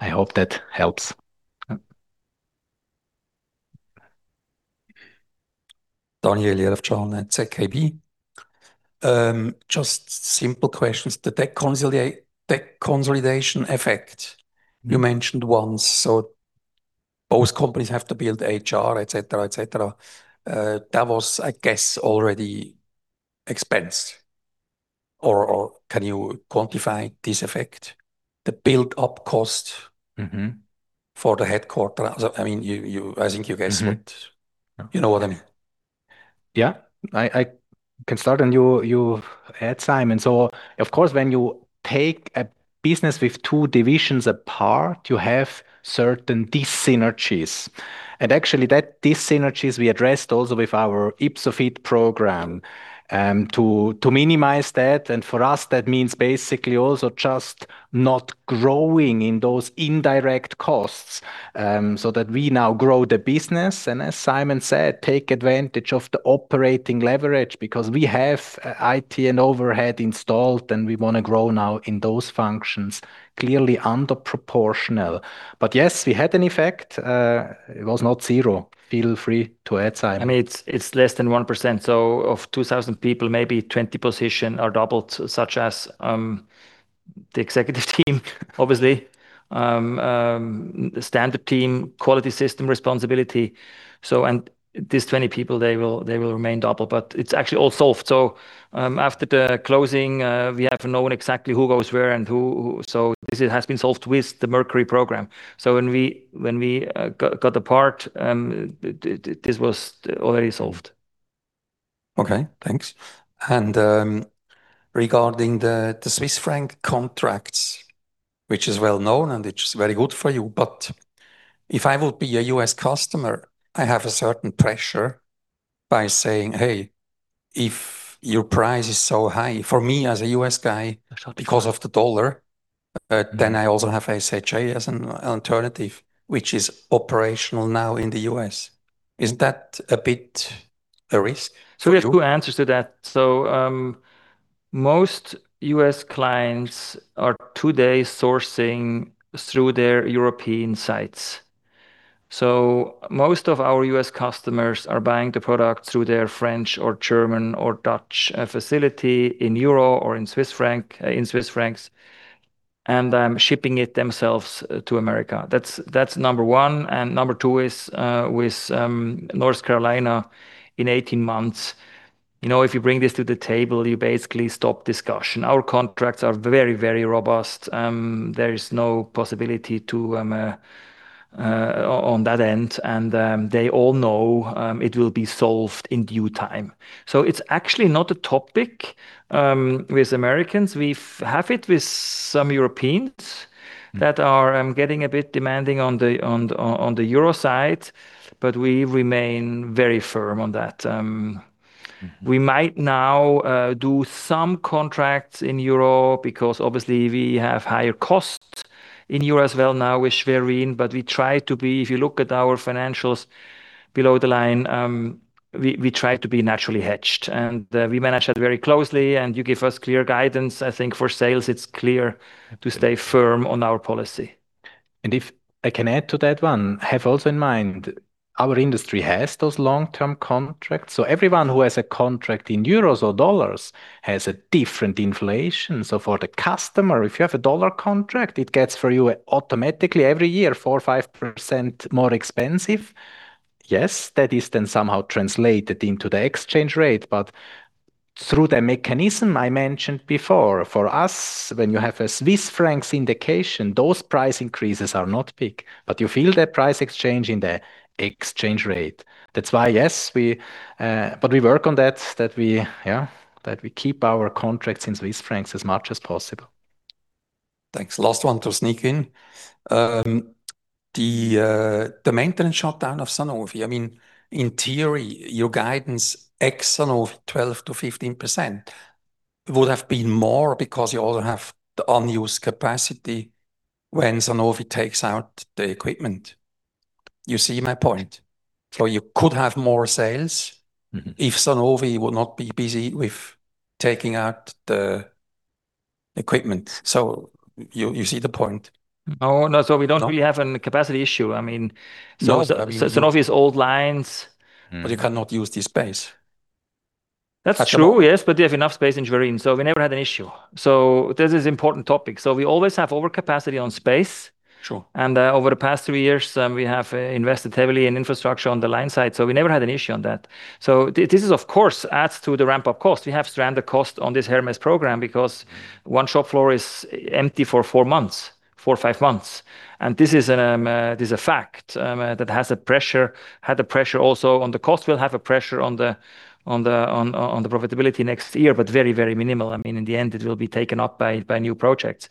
I hope that helps. Daniel Jelovcan at ZKB. Just simple questions. The tech consolidation effect you mentioned once, so both companies have to build HR, et cetera, et cetera. That was, I guess, already expensed. Can you quantify this effect, the build-up cost? For the headquarters. I mean, you I think you guys. You know what I mean. I can start, and you add, Simon. Of course, when you take a business with two divisions apart, you have certain dyssynergies, and actually that dyssynergies we addressed also with our YpsoFIT program to minimize that. For us, that means basically also just not growing in those indirect costs, that we now grow the business and as Simon said, take advantage of the operating leverage because we have IT and overhead installed. We want to grow now in those functions clearly under proportional. Yes, we had an effect. It was not zero. Feel free to add, Simon. I mean, it's less than 1%, so of 2,000 people, maybe 20 positions are doubled, such as the executive team obviously, the standard team quality system responsibility. These 20 people will remain double, but it's actually all solved. After the closing, we have to know when exactly who goes where and who. This has been solved with the Mercury program. When we got apart, this was already solved. Okay, thanks. Regarding the Swiss franc contracts, which is well known, and it is very good for you, but if I would be a US customer, I have a certain pressure by saying, "Hey, if your price is so high for me as a US guy because of the dollar, then I also have SHL as an alternative, which is operational now in the U.S." Isn't that a bit a risk for you? We have two answers to that. Most US clients are today sourcing through their European sites. Most of our US customers are buying the product through their French or German or Dutch facility in euros or in Swiss francs, shipping it themselves to America. That's number one. Number one is, with North Carolina in 18 months, you know, if you bring this to the table, you basically stop discussion. Our contracts are very, very robust. There is no possibility to on that end, they all know, it will be solved in due time. It's actually not a topic with Americans. We've have it with some Europeans that are getting a bit demanding on the euro side, but we remain very firm on that. We might now do some contracts in euro because obviously we have higher costs in euro as well now with Schwerin. If you look at our financials below the line, we try to be naturally hedged, and we manage that very closely, and you give us clear guidance. I think for sales it's clear to stay firm on our policy. If I can add to that one, have also in mind our industry has those long-term contracts. Everyone who has a contract in euros or dollars has a different inflation. For the customer, if you have a dollar contract, it gets for you automatically every year 4%, 5% more expensive. Yes, that is then somehow translated into the exchange rate. Through the mechanism I mentioned before. For us, when you have a Swiss francs indication, those price increases are not big, but you feel that price exchange in the exchange rate. That's why, yes, we work on that we keep our contracts in Swiss francs as much as possible. Thanks. Last one to sneak in. The maintenance shutdown of Sanofi. I mean, in theory, your guidance ex Sanofi 12%-15% would have been more because you also have the unused capacity when Sanofi takes out the equipment. You see my point? You could have more sales if Sanofi will not be busy with taking out the equipment. You see the point? Oh, no. No we have any capacity issue. No, I mean, Sanofi's old lines. You cannot use the space. That's true, yes. We have enough space in Solothurn, so we never had an issue. This is important topic. We always have over capacity on space. Sure. Over the past three years, we have invested heavily in infrastructure on the line side, so we never had an issue on that. This is of course adds to the ramp-up cost. We have stranded cost on this Hermes program because one shop floor is empty for four months, four or five months, and this is a fact that had a pressure also on the cost. We'll have a pressure on the profitability next year, very, very minimal. I mean, in the end it will be taken up by new projects.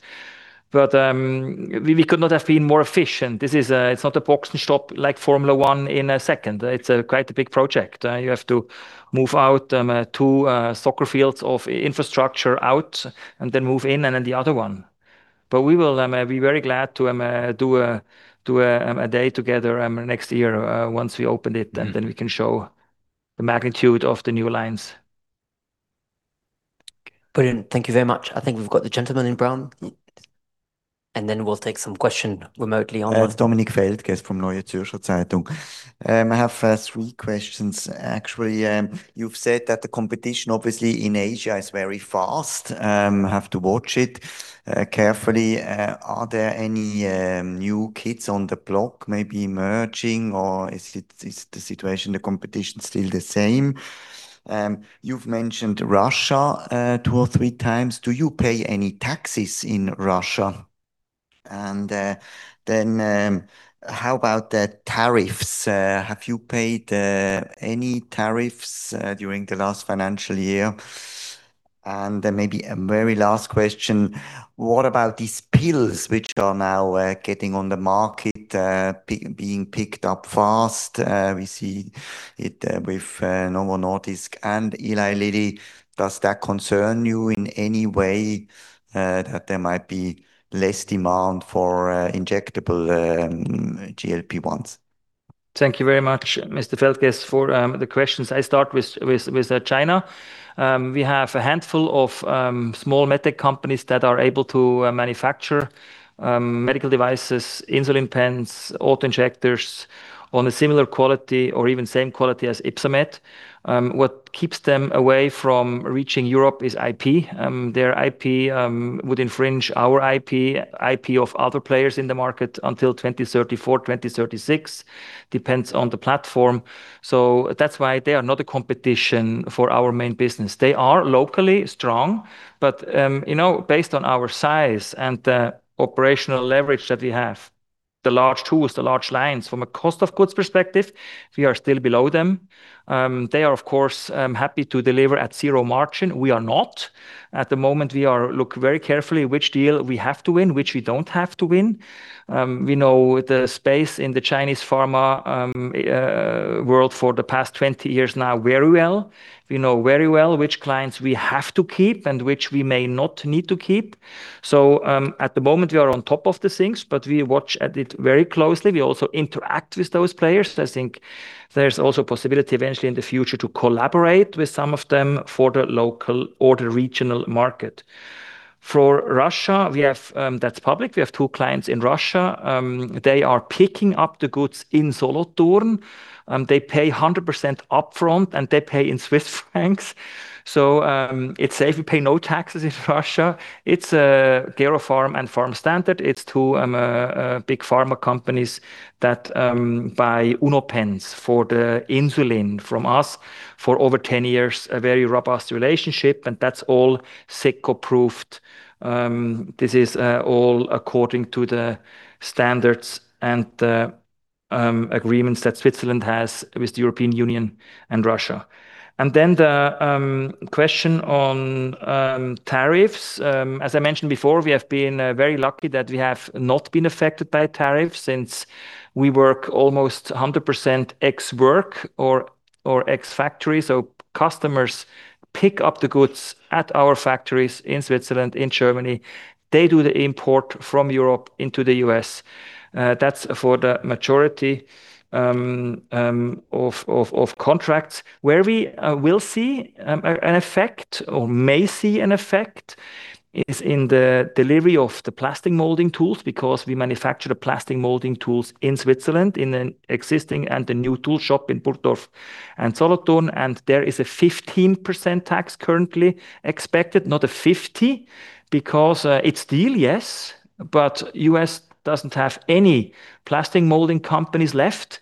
We could not have been more efficient. This is, it's not a box shop like Formula one in a second. It's a quite a big project. You have to move out, two soccer fields of infrastructure out and then move in and then the other one. We will be very glad to do a day together next year, once we open it and then we can show the magnitude of the new lines. Brilliant. Thank you very much. I think we've got the gentleman in brown, and then we'll take some question remotely online. Dominik Feldges from Neue Zürcher Zeitung. I have three questions actually. You've said that the competition obviously in Asia is very fast, have to watch it carefully. Are there any new kids on the block maybe emerging or is the situation, the competition still the same? You've mentioned Russia two or three times. Do you pay any taxes in Russia? How about the tariffs? Have you paid any tariffs during the last financial year? Then maybe a very last question. What about these pills which are now getting on the market, being picked up fast. We see it with Novo Nordisk and Eli Lilly. Does that concern you in any way that there might be less demand for injectable GLP-1s? Thank you very much, Dominik Feldges for the questions. I start with China. We have a handful of small medtech companies that are able to manufacture medical devices, insulin pens, auto-injectors on a similar quality or even same quality as Ypsomed. What keeps them away from reaching Europe is IP. Their IP would infringe our IP of other players in the market until 2034, 2036. Depends on the platform. That's why they are not a competition for our main business. They are locally strong, but, you know, based on our size and the operational leverage that we have, the large tools, the large lines from a cost of goods perspective, we are still below them. They are of course happy to deliver at zero margin. We are not. At the moment, we are look very carefully which deal we have to win, which we don't have to win. We know the space in the Chinese pharma world for the past 20 years now very well. We know very well which clients we have to keep and which we may not need to keep. At the moment we are on top of the things, but we watch at it very closely. We also interact with those players. I think there's also possibility eventually in the future to collaborate with some of them for the local or the regional market. For Russia, we have, that's public, we have two clients in Russia. They are picking up the goods in Solothurn. They pay 100% upfront and they pay in CHF. It's safe, we pay no taxes in Russia. It's Geropharm and Pharmstandard. It's two big pharma companies that buy UnoPen for the insulin from us for over 10 years, a very robust relationship, and that's all SECO-proofed. This is all according to the standards and the agreements that Switzerland has with the European Union and Russia. Then the question on tariffs. As I mentioned before, we have been very lucky that we have not been affected by tariffs since we work almost 100% ex-work or ex-factory. Customers pick up the goods at our factories in Switzerland, in Germany. They do the import from Europe into the U.S. That's for the majority of contracts. Where we will see an effect or may see an effect is in the delivery of the plastic molding tools because we manufacture the plastic molding tools in Switzerland in an existing and a new tool shop in Burgdorf and Solothurn and there is a 15% tax currently expected and not a 50% because, is still yes, but U.S. doesn't have any plastic molding companies left.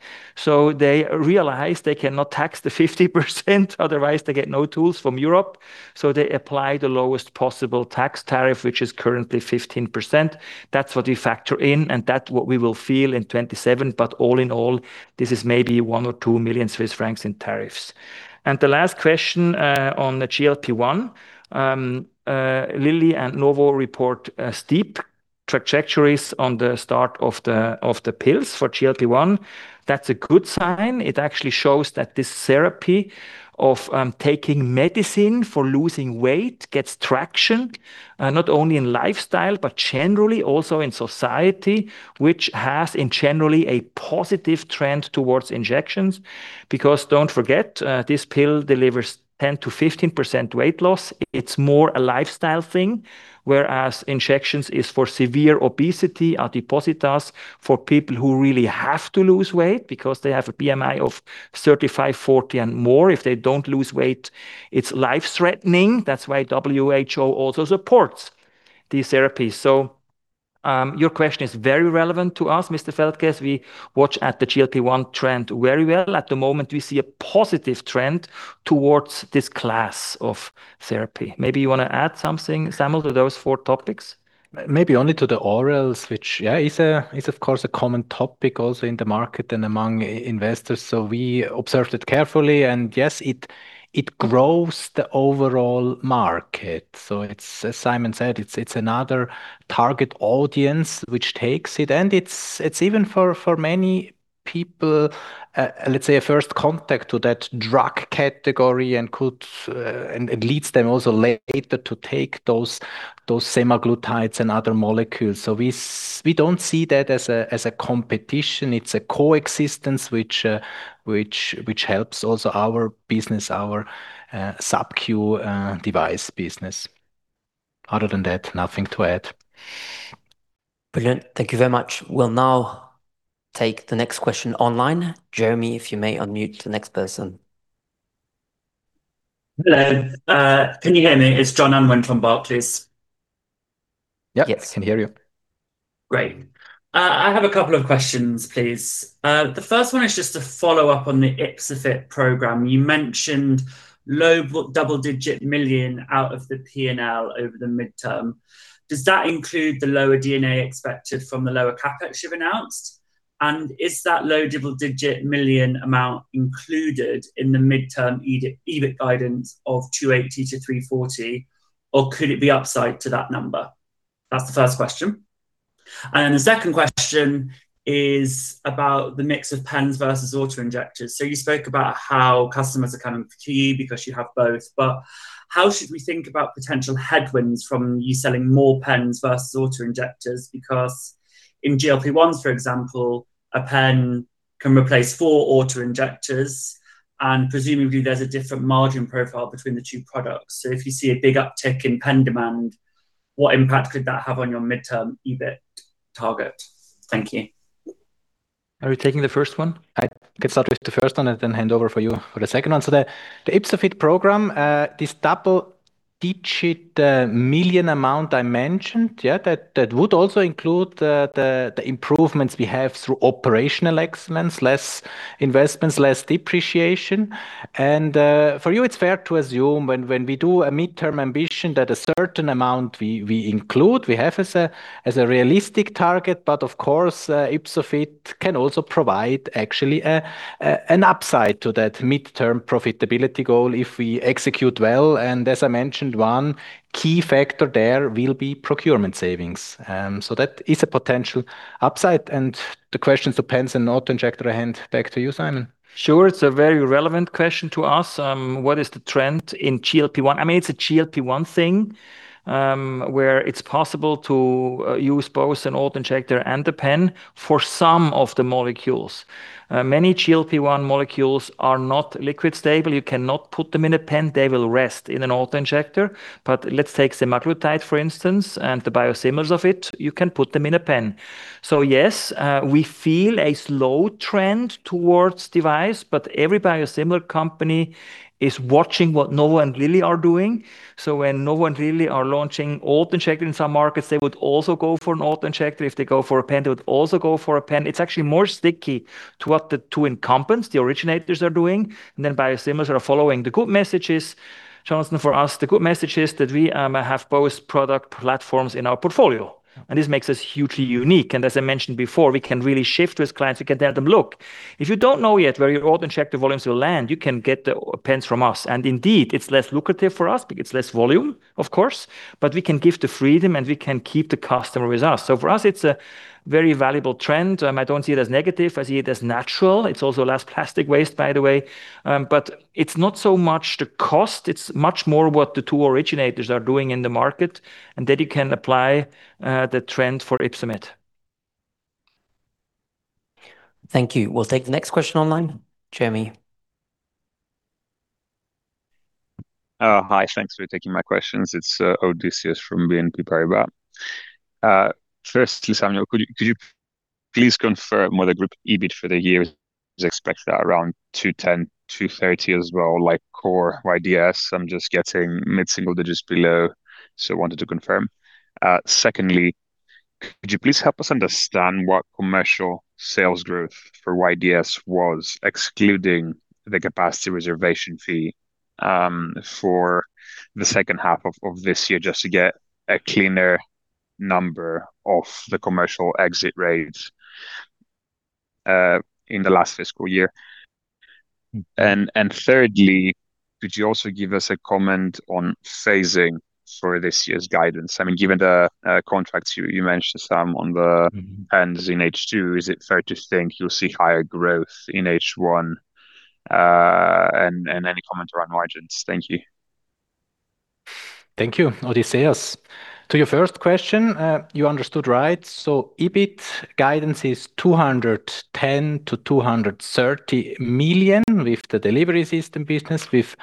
They realize they cannot tax the 50%, otherwise they get no tools from Europe, so they apply the lowest possible tax tariff, which is currently 15%. That's what we factor in and that what we will feel in 2027. All in all, this is maybe 1 or 2 million Swiss francs in tariffs. The last question on the GLP-1. Lilly and Novo report steep trajectories on the start of the pills for GLP-1. That's a good sign. It actually shows that this therapy of taking medicine for losing weight gets traction, not only in lifestyle, but generally also in society, which has in generally a positive trend towards injections. Don't forget, this pill delivers 10%-15% weight loss. It's more a lifestyle thing, whereas injections is for severe obesity, Adipositas, for people who really have to lose weight because they have a BMI of 35, 40 and more. If they don't lose weight, it's life-threatening. That's why WHO also supports these therapies. Your question is very relevant to us, Mr. Feldges. We watch at the GLP-1 trend very well. At the moment, we see a positive trend towards this class of therapy. Maybe you want to add something, Samuel, to those four topics? Maybe only to the orals, which is of course a common topic also in the market and among investors. We observed it carefully. Yes, it grows the overall market. It's, as Simon said, it's another target audience which takes it, and it's even for many people, let's say a first contact to that drug category and could and leads them also later to take those semaglutides and other molecules. We don't see that as a competition. It's a coexistence which helps also our business, our subQ device business. Other than that, nothing to add. Brilliant. Thank you very much. We'll now take the next question online. Jeremy, if you may unmute the next person. Hello. Can you hear me? It is Jonathan Unwin from Barclays. Yep. Yes. Can hear you. Great. I have a couple of questions, please. The first one is just a follow-up on the YpsoFIT program. You mentioned CHF low double-digit million out of the P&L over the midterm. Does that include the lower D&A expected from the lower CapEx you've announced? Is that CHF low double-digit million amount included in the midterm EBIT guidance of 280-340, or could it be upside to that number? That's the first question. The second question is about the mix of pens versus auto-injectors. You spoke about how customers are kind of key because you have both. How should we think about potential headwinds from you selling more pens versus auto-injectors? Because in GLP-1s, for example, a pen can replace four auto-injectors, and presumably there's a different margin profile between the two products. If you see a big uptick in pen demand, what impact could that have on your midterm EBIT target? Thank you. Are we taking the first one? I can start with the first one and then hand over for you for the second one. The YpsoFIT program, this double-digit million amount I mentioned, yeah, that would also include the improvements we have through operational excellence, less investments, less depreciation. For you, it's fair to assume when we do a midterm ambition that a certain amount we include, we have as a realistic target. Of course, YpsoFIT can also provide actually an upside to that midterm profitability goal if we execute well. As I mentioned, one key factor there will be procurement savings. That is a potential upside. The questions to pens and auto-injector, I hand back to you, Simon. Sure. It's a very relevant question to ask, what is the trend in GLP-1. I mean, it's a GLP-1 thing, where it's possible to use both an auto-injector and a pen for some of the molecules. Many GLP-1 molecules are not liquid stable. You cannot put them in a pen. They will rest in an auto-injector. Let's take semaglutide, for instance, and the biosimilars of it, you can put them in a pen. Yes, we feel a slow trend towards device, but every biosimilar company is watching what Novo and Lilly are doing. When Novo and Lilly are launching auto-injector in some markets, they would also go for an auto-injector. If they go for a pen, they would also go for a pen. It's actually more sticky to what the two incumbents, the originators are doing, and then biosimilars are following the good messages. Jonathan, for us, the good message is that we have both product platforms in our portfolio, and this makes us hugely unique. As I mentioned before, we can really shift with clients. We can tell them, "Look, if you don't know yet where your auto-injector volumes will land, you can get the pens from us." Indeed, it's less lucrative for us because it's less volume, of course, but we can give the freedom and we can keep the customer with us. For us, it's a very valuable trend. I don't see it as negative. I see it as natural. It's also less plastic waste, by the way. It's not so much the cost. It's much more what the two originators are doing in the market, and then you can apply the trend for Ypsomed. Thank you. We'll take the next question online. Jeremy. Oh, hi. Thanks for taking my questions. It's Odysseas Manesiotis from BNP Paribas. First to Samuel Künzli, could you please confirm whether group EBIT for the year is expected at around 210 million-230 million as well like core YDS? I'm just getting mid-single digits below, wanted to confirm. Secondly, could you please help us understand what commercial sales growth for YDS was, excluding the capacity reservation fee, for the second half of this year, just to get a cleaner number of the commercial exit rates? In the last fiscal year. Thirdly, could you also give us a comment on phasing for this year's guidance? Pens in H2, is it fair to think you'll see higher growth in H1? Any comment around margins. Thank you. Thank you, Odysseas. To your first question, you understood right. EBIT guidance is 210 million-230 million with the delivery system business with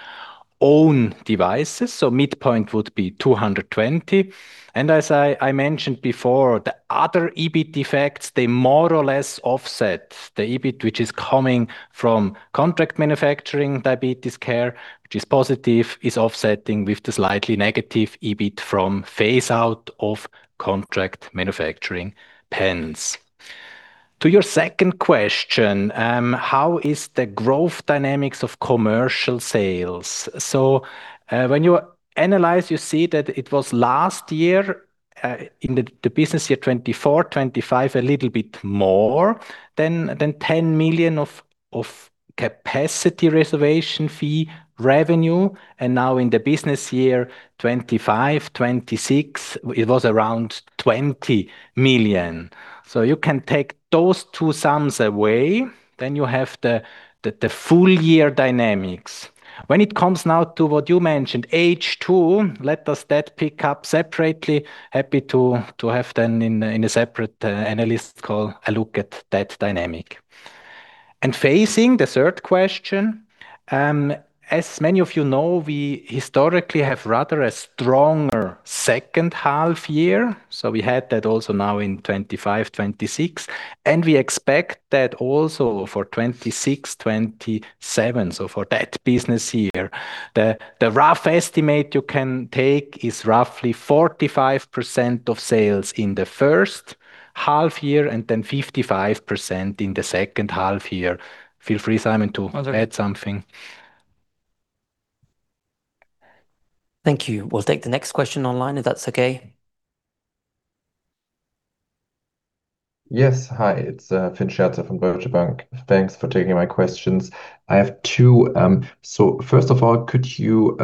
own devices, midpoint would be 220. As I mentioned before, the other EBIT effects, they more or less offset the EBIT which is coming from contract manufacturing Diabetes Care, which is positive, is offsetting with the slightly negative EBIT from phase out of contract manufacturing pens. To your second question, how is the growth dynamics of commercial sales. When you analyze, you see that it was last year, in the business year 2024, 2025, a little bit more than 10 million capacity reservation fee revenue. Now in the business year 2025, 2026, it was around 20 million. You can take those two sums away, then you have the full year dynamics. When it comes now to what you mentioned, H2, let us that pick up separately. Happy to have then in a separate analyst call a look at that dynamic. Phasing, the third question, as many of you know, we historically have rather a stronger second half year, so we had that also now in 2025, 2026, and we expect that also for 2026, 2027. For that business year. The rough estimate you can take is roughly 45% of sales in the first half year and then 55% in the second half year. Feel free, Simon, to- Okay add something. Thank you. We'll take the next question online, if that's okay. Yes. Hi. It's Friedrichs from Deutsche Bank. Thanks for taking my questions. I have two. First of all, could you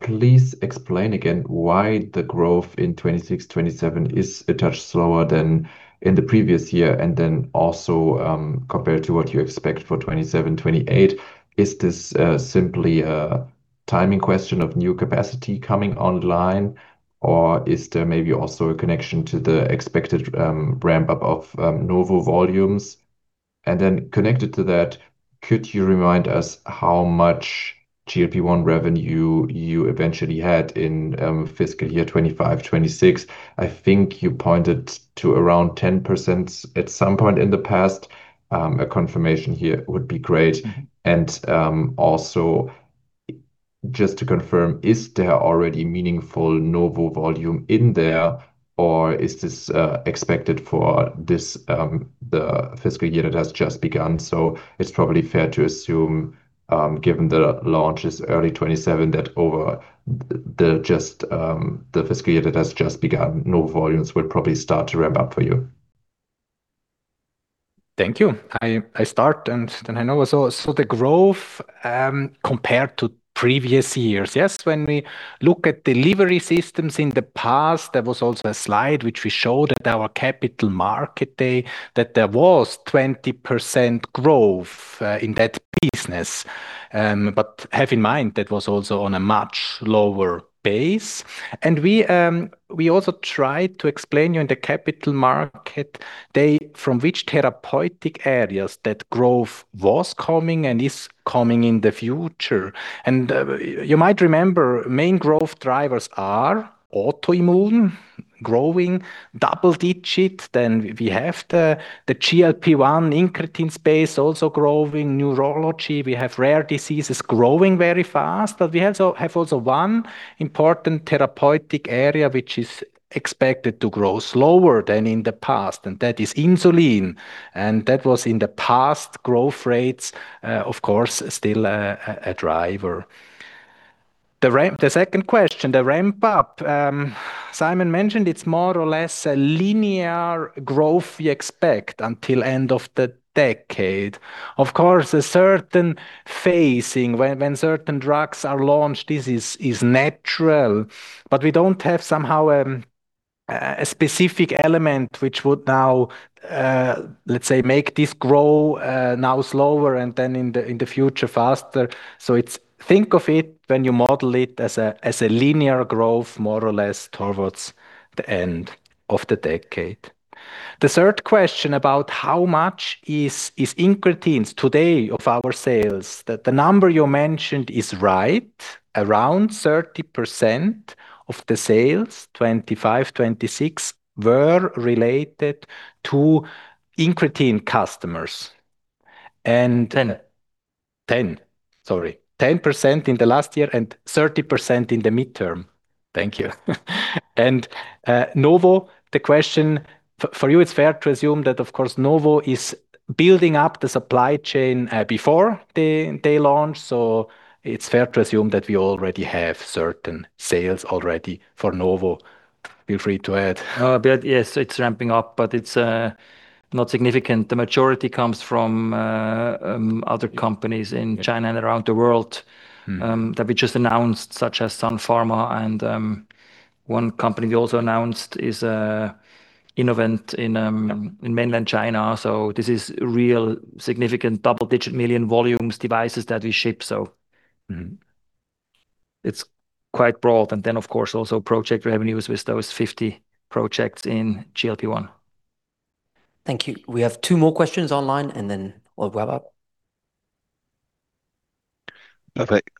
please explain again why the growth in 2026, 2027 is a touch slower than in the previous year, and then also, compared to what you expect for 2027, 2028? Is this simply a timing question of new capacity coming online, or is there maybe also a connection to the expected ramp up of Novo volumes? Connected to that, could you remind us how much GLP-1 revenue you eventually had in fiscal year 2025, 2026? I think you pointed to around 10% at some point in the past. A confirmation here would be great. Also just to confirm, is there already meaningful Novo volume in there, or is this expected for this the fiscal year that has just begun? It's probably fair to assume, given the launch is early 2027, that over the just the fiscal year that has just begun, Novo volumes will probably start to ramp up for you. Thank you. I start, then I know. The growth compared to previous years, yes, when we look at Delivery Systems in the past, there was also a slide which we showed at our Capital Market Day that there was 20% growth in that business. Have in mind, that was also on a much lower base. We also tried to explain you in the Capital Market Day from which therapeutic areas that growth was coming and is coming in the future. You might remember, main growth drivers are autoimmune growing double-digit, then we have the GLP-1 incretin space also growing, neurology, we have rare diseases growing very fast. We also have also one important therapeutic area which is expected to grow slower than in the past, and that is insulin, and that was in the past growth rates, of course, still a driver. The second question, the ramp-up, Simon mentioned it is more or less a linear growth we expect until end of the decade. Of course, a certain phasing when certain drugs are launched, this is natural. We don't have somehow a specific element which would now, let's say, make this grow now slower and then in the future faster. Think of it when you model it as a linear growth more or less towards the end of the decade. The third question about how much is incretins today of our sales. The number you mentioned is right. Around 30% of the sales 2025, 2026 were related to incretin customers. 10. 10. Sorry. 10% in the last year and 30% in the midterm. Thank you. Novo, the question for you it's fair to assume that, of course, Novo is building up the supply chain before they launch. It's fair to assume that we already have certain sales already for Novo. Feel free to add Yes, it's ramping up, but it's not significant. The majority comes from other companies in China and around the world. That we just announced such as Sun Pharma and, one company we also announced is Innovent in mainland China, so this is real significant double-digit million volumes devices that we ship. It's quite broad. Of course also project revenues with those 50 projects in GLP-1. Thank you. We have two more questions online and then we'll wrap up. Perfect.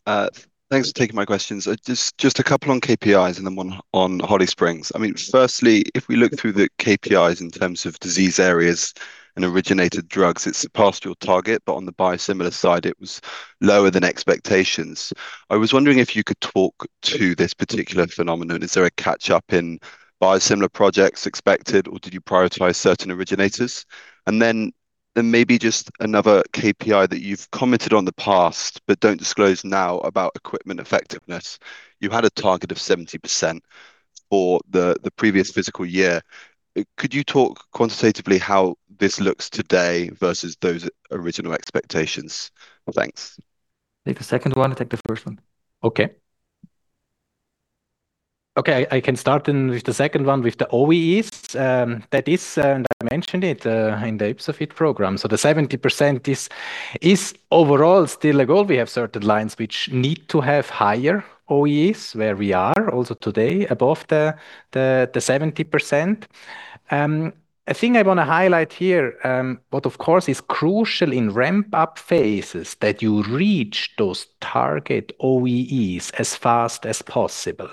Thanks for taking my questions. Just a couple on KPIs and then one on Holly Springs. I mean, firstly, if we look through the KPIs in terms of disease areas and originated drugs, it's past your target, but on the biosimilar side it was lower than expectations. I was wondering if you could talk to this particular phenomenon. Is there a catch-up in biosimilar projects expected, or did you prioritize certain originators? Maybe just another KPI that you've commented on the past but don't disclose now about equipment effectiveness. You had a target of 70% for the previous fiscal year. Could you talk quantitatively how this looks today versus those original expectations? Thanks. Take the second one. Take the first one. I can start then with the second one with the OEEs, that is, and I mentioned it in the Ypsomed program. The 70% is overall still a goal. We have certain lines which need to have higher OEEs where we are also today above the 70%. A thing I wanna highlight here, what of course is crucial in ramp-up phases, that you reach those target OEEs as fast as possible.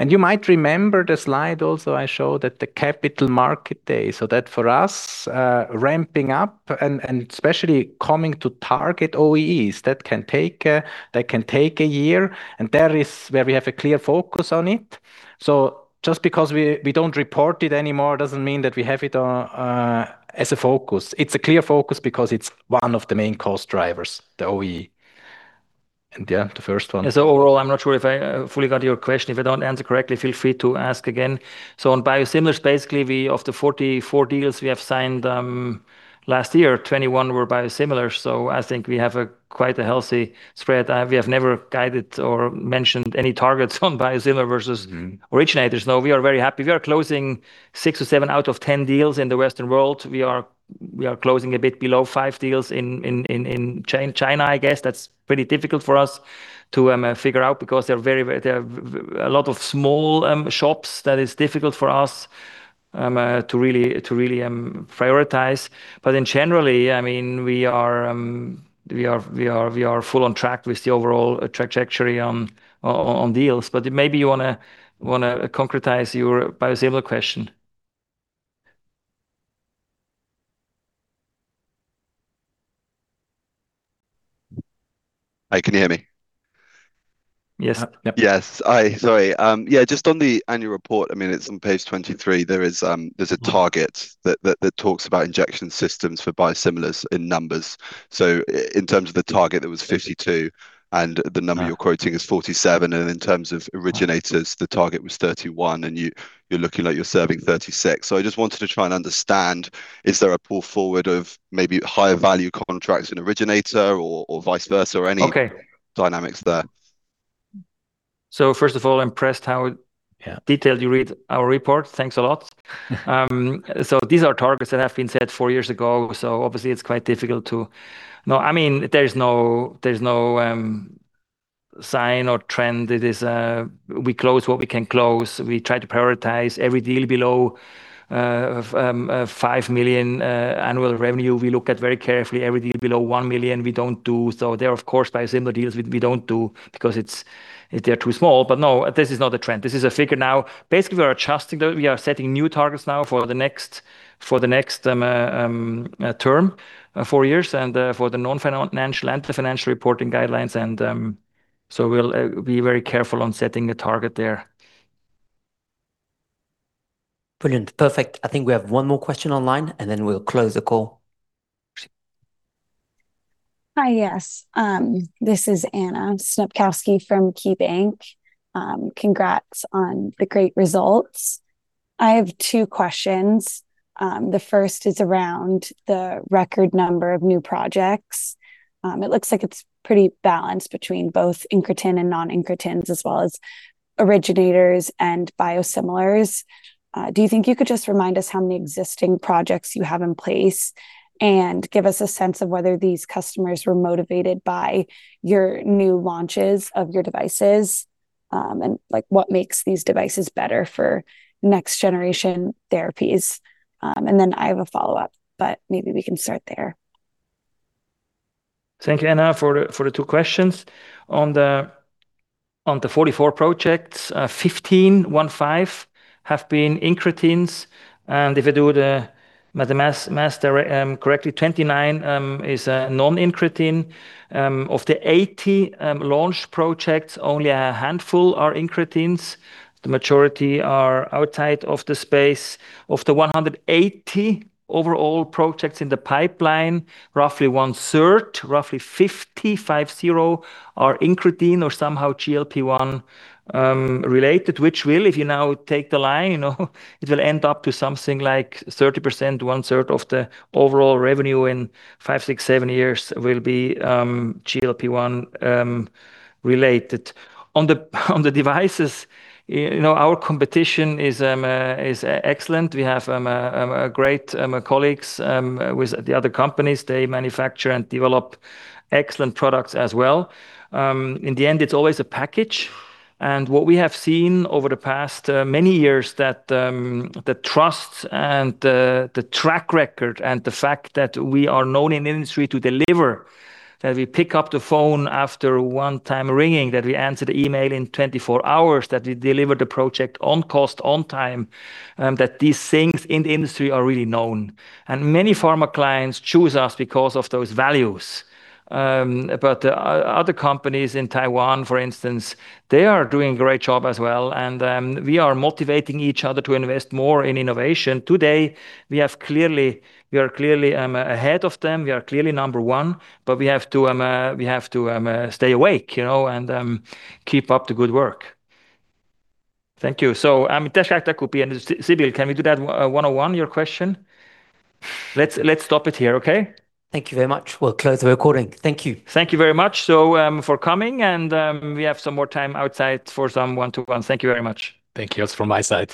You might remember the slide also I showed at the Capital Market Day, that for us, ramping up and especially coming to target OEEs, that can take a year, there is where we have a clear focus on it. Just because we don't report it anymore doesn't mean that we have it as a focus. It's a clear focus because it's one of the main cost drivers, the OEE. Yeah, the first one. Overall, I am not sure if I fully got your question. If I do not answer correctly, feel free to ask again. On biosimilars, basically we, of the 44 deals we have signed, last year, 21 were biosimilar, so I think we have a quite a healthy spread. We have never guided or mentioned any targets on biosimilar versus. originators. No, we are very happy. We are closing six or seven out of 10 deals in the Western world. We are closing a bit below five deals in China, I guess. That's pretty difficult for us to figure out because they're very a lot of small shops that is difficult for us to really prioritize. In general, I mean, we are full on track with the overall trajectory on deals. Maybe you wanna concretize your biosimilar question. Hi, can you hear me? Yes. Yep. Yes. Sorry. Yeah, just on the annual report, I mean, it's on page 23, there is a target that talks about injection systems for biosimilars in numbers. In terms of the target, it was 52, and the number you're quoting is 47. In terms of originators, the target was 31, and you're looking like you're serving 36. I just wanted to try and understand, is there a pull forward of maybe higher value contracts in originator or vice versa or any- Okay dynamics there? First of all, impressed how. Yeah detailed you read our report. Thanks a lot. These are targets that have been set four years ago, so obviously it's quite difficult to No, I mean, there's no sign or trend. It is, we close what we can close. We try to prioritize. Every deal below 5 million annual revenue, we look at very carefully. Every deal below 1 million, we don't do. There are of course biosimilar deals we don't do because it's, they're too small. No, this is not a trend. This is a figure now. Basically, we are setting new targets now for the next term, four years and for the non-financial and the financial reporting guidelines, and so we'll be very careful on setting a target there. Brilliant. Perfect. I think we have one more question online, and then we'll close the call. Hi, yes. This is Anna Snopkowski from KeyBanc. Congrats on the great results. I have two questions. The first is around the record number of new projects. It looks like it's pretty balanced between both incretin and non-incretins, as well as originators and biosimilars. Do you think you could just remind us how many existing projects you have in place and give us a sense of whether these customers were motivated by your new launches of your devices, and what makes these devices better for next generation therapies? Then I have a follow-up, but maybe we can start there. Thank you, Anna, for the two questions. On the 44 projects, 15 have been incretins, and if I do the maths correctly, 29 is non-incretin. Of the 80 launch projects, only a handful are incretins. The majority are outside of the space. Of the 180 overall projects in the pipeline, roughly 1/3, roughly 50, are incretin or somehow GLP-1 related, which will, if you now take the line, you know, it will end up to something like 30%, 1/3 of the overall revenue in five, six, seven years will be GLP-1 related. On the devices, you know, our competition is excellent. We have great colleagues with the other companies. They manufacture and develop excellent products as well. In the end it's always a package, and what we have seen over the past many years that the trust and the track record and the fact that we are known in the industry to deliver, that we pick up the phone after one time ringing, that we answer the email in 24 hours, that we deliver the project on cost, on time, that these things in the industry are really known. Many pharma clients choose us because of those values. Other companies in Taiwan, for instance, they are doing a great job as well, and we are motivating each other to invest more in innovation. Today, we are clearly ahead of them. We are clearly number one, but we have to stay awake, you know, and keep up the good work. Thank you. I mean, Sibylle, can we do that one-on-one, your question? Let's stop it here, okay? Thank you very much. We will close the recording. Thank you. Thank you very much, so, for coming, and, we have some more time outside for some one-to-ones. Thank you very much. Thank you also from my side.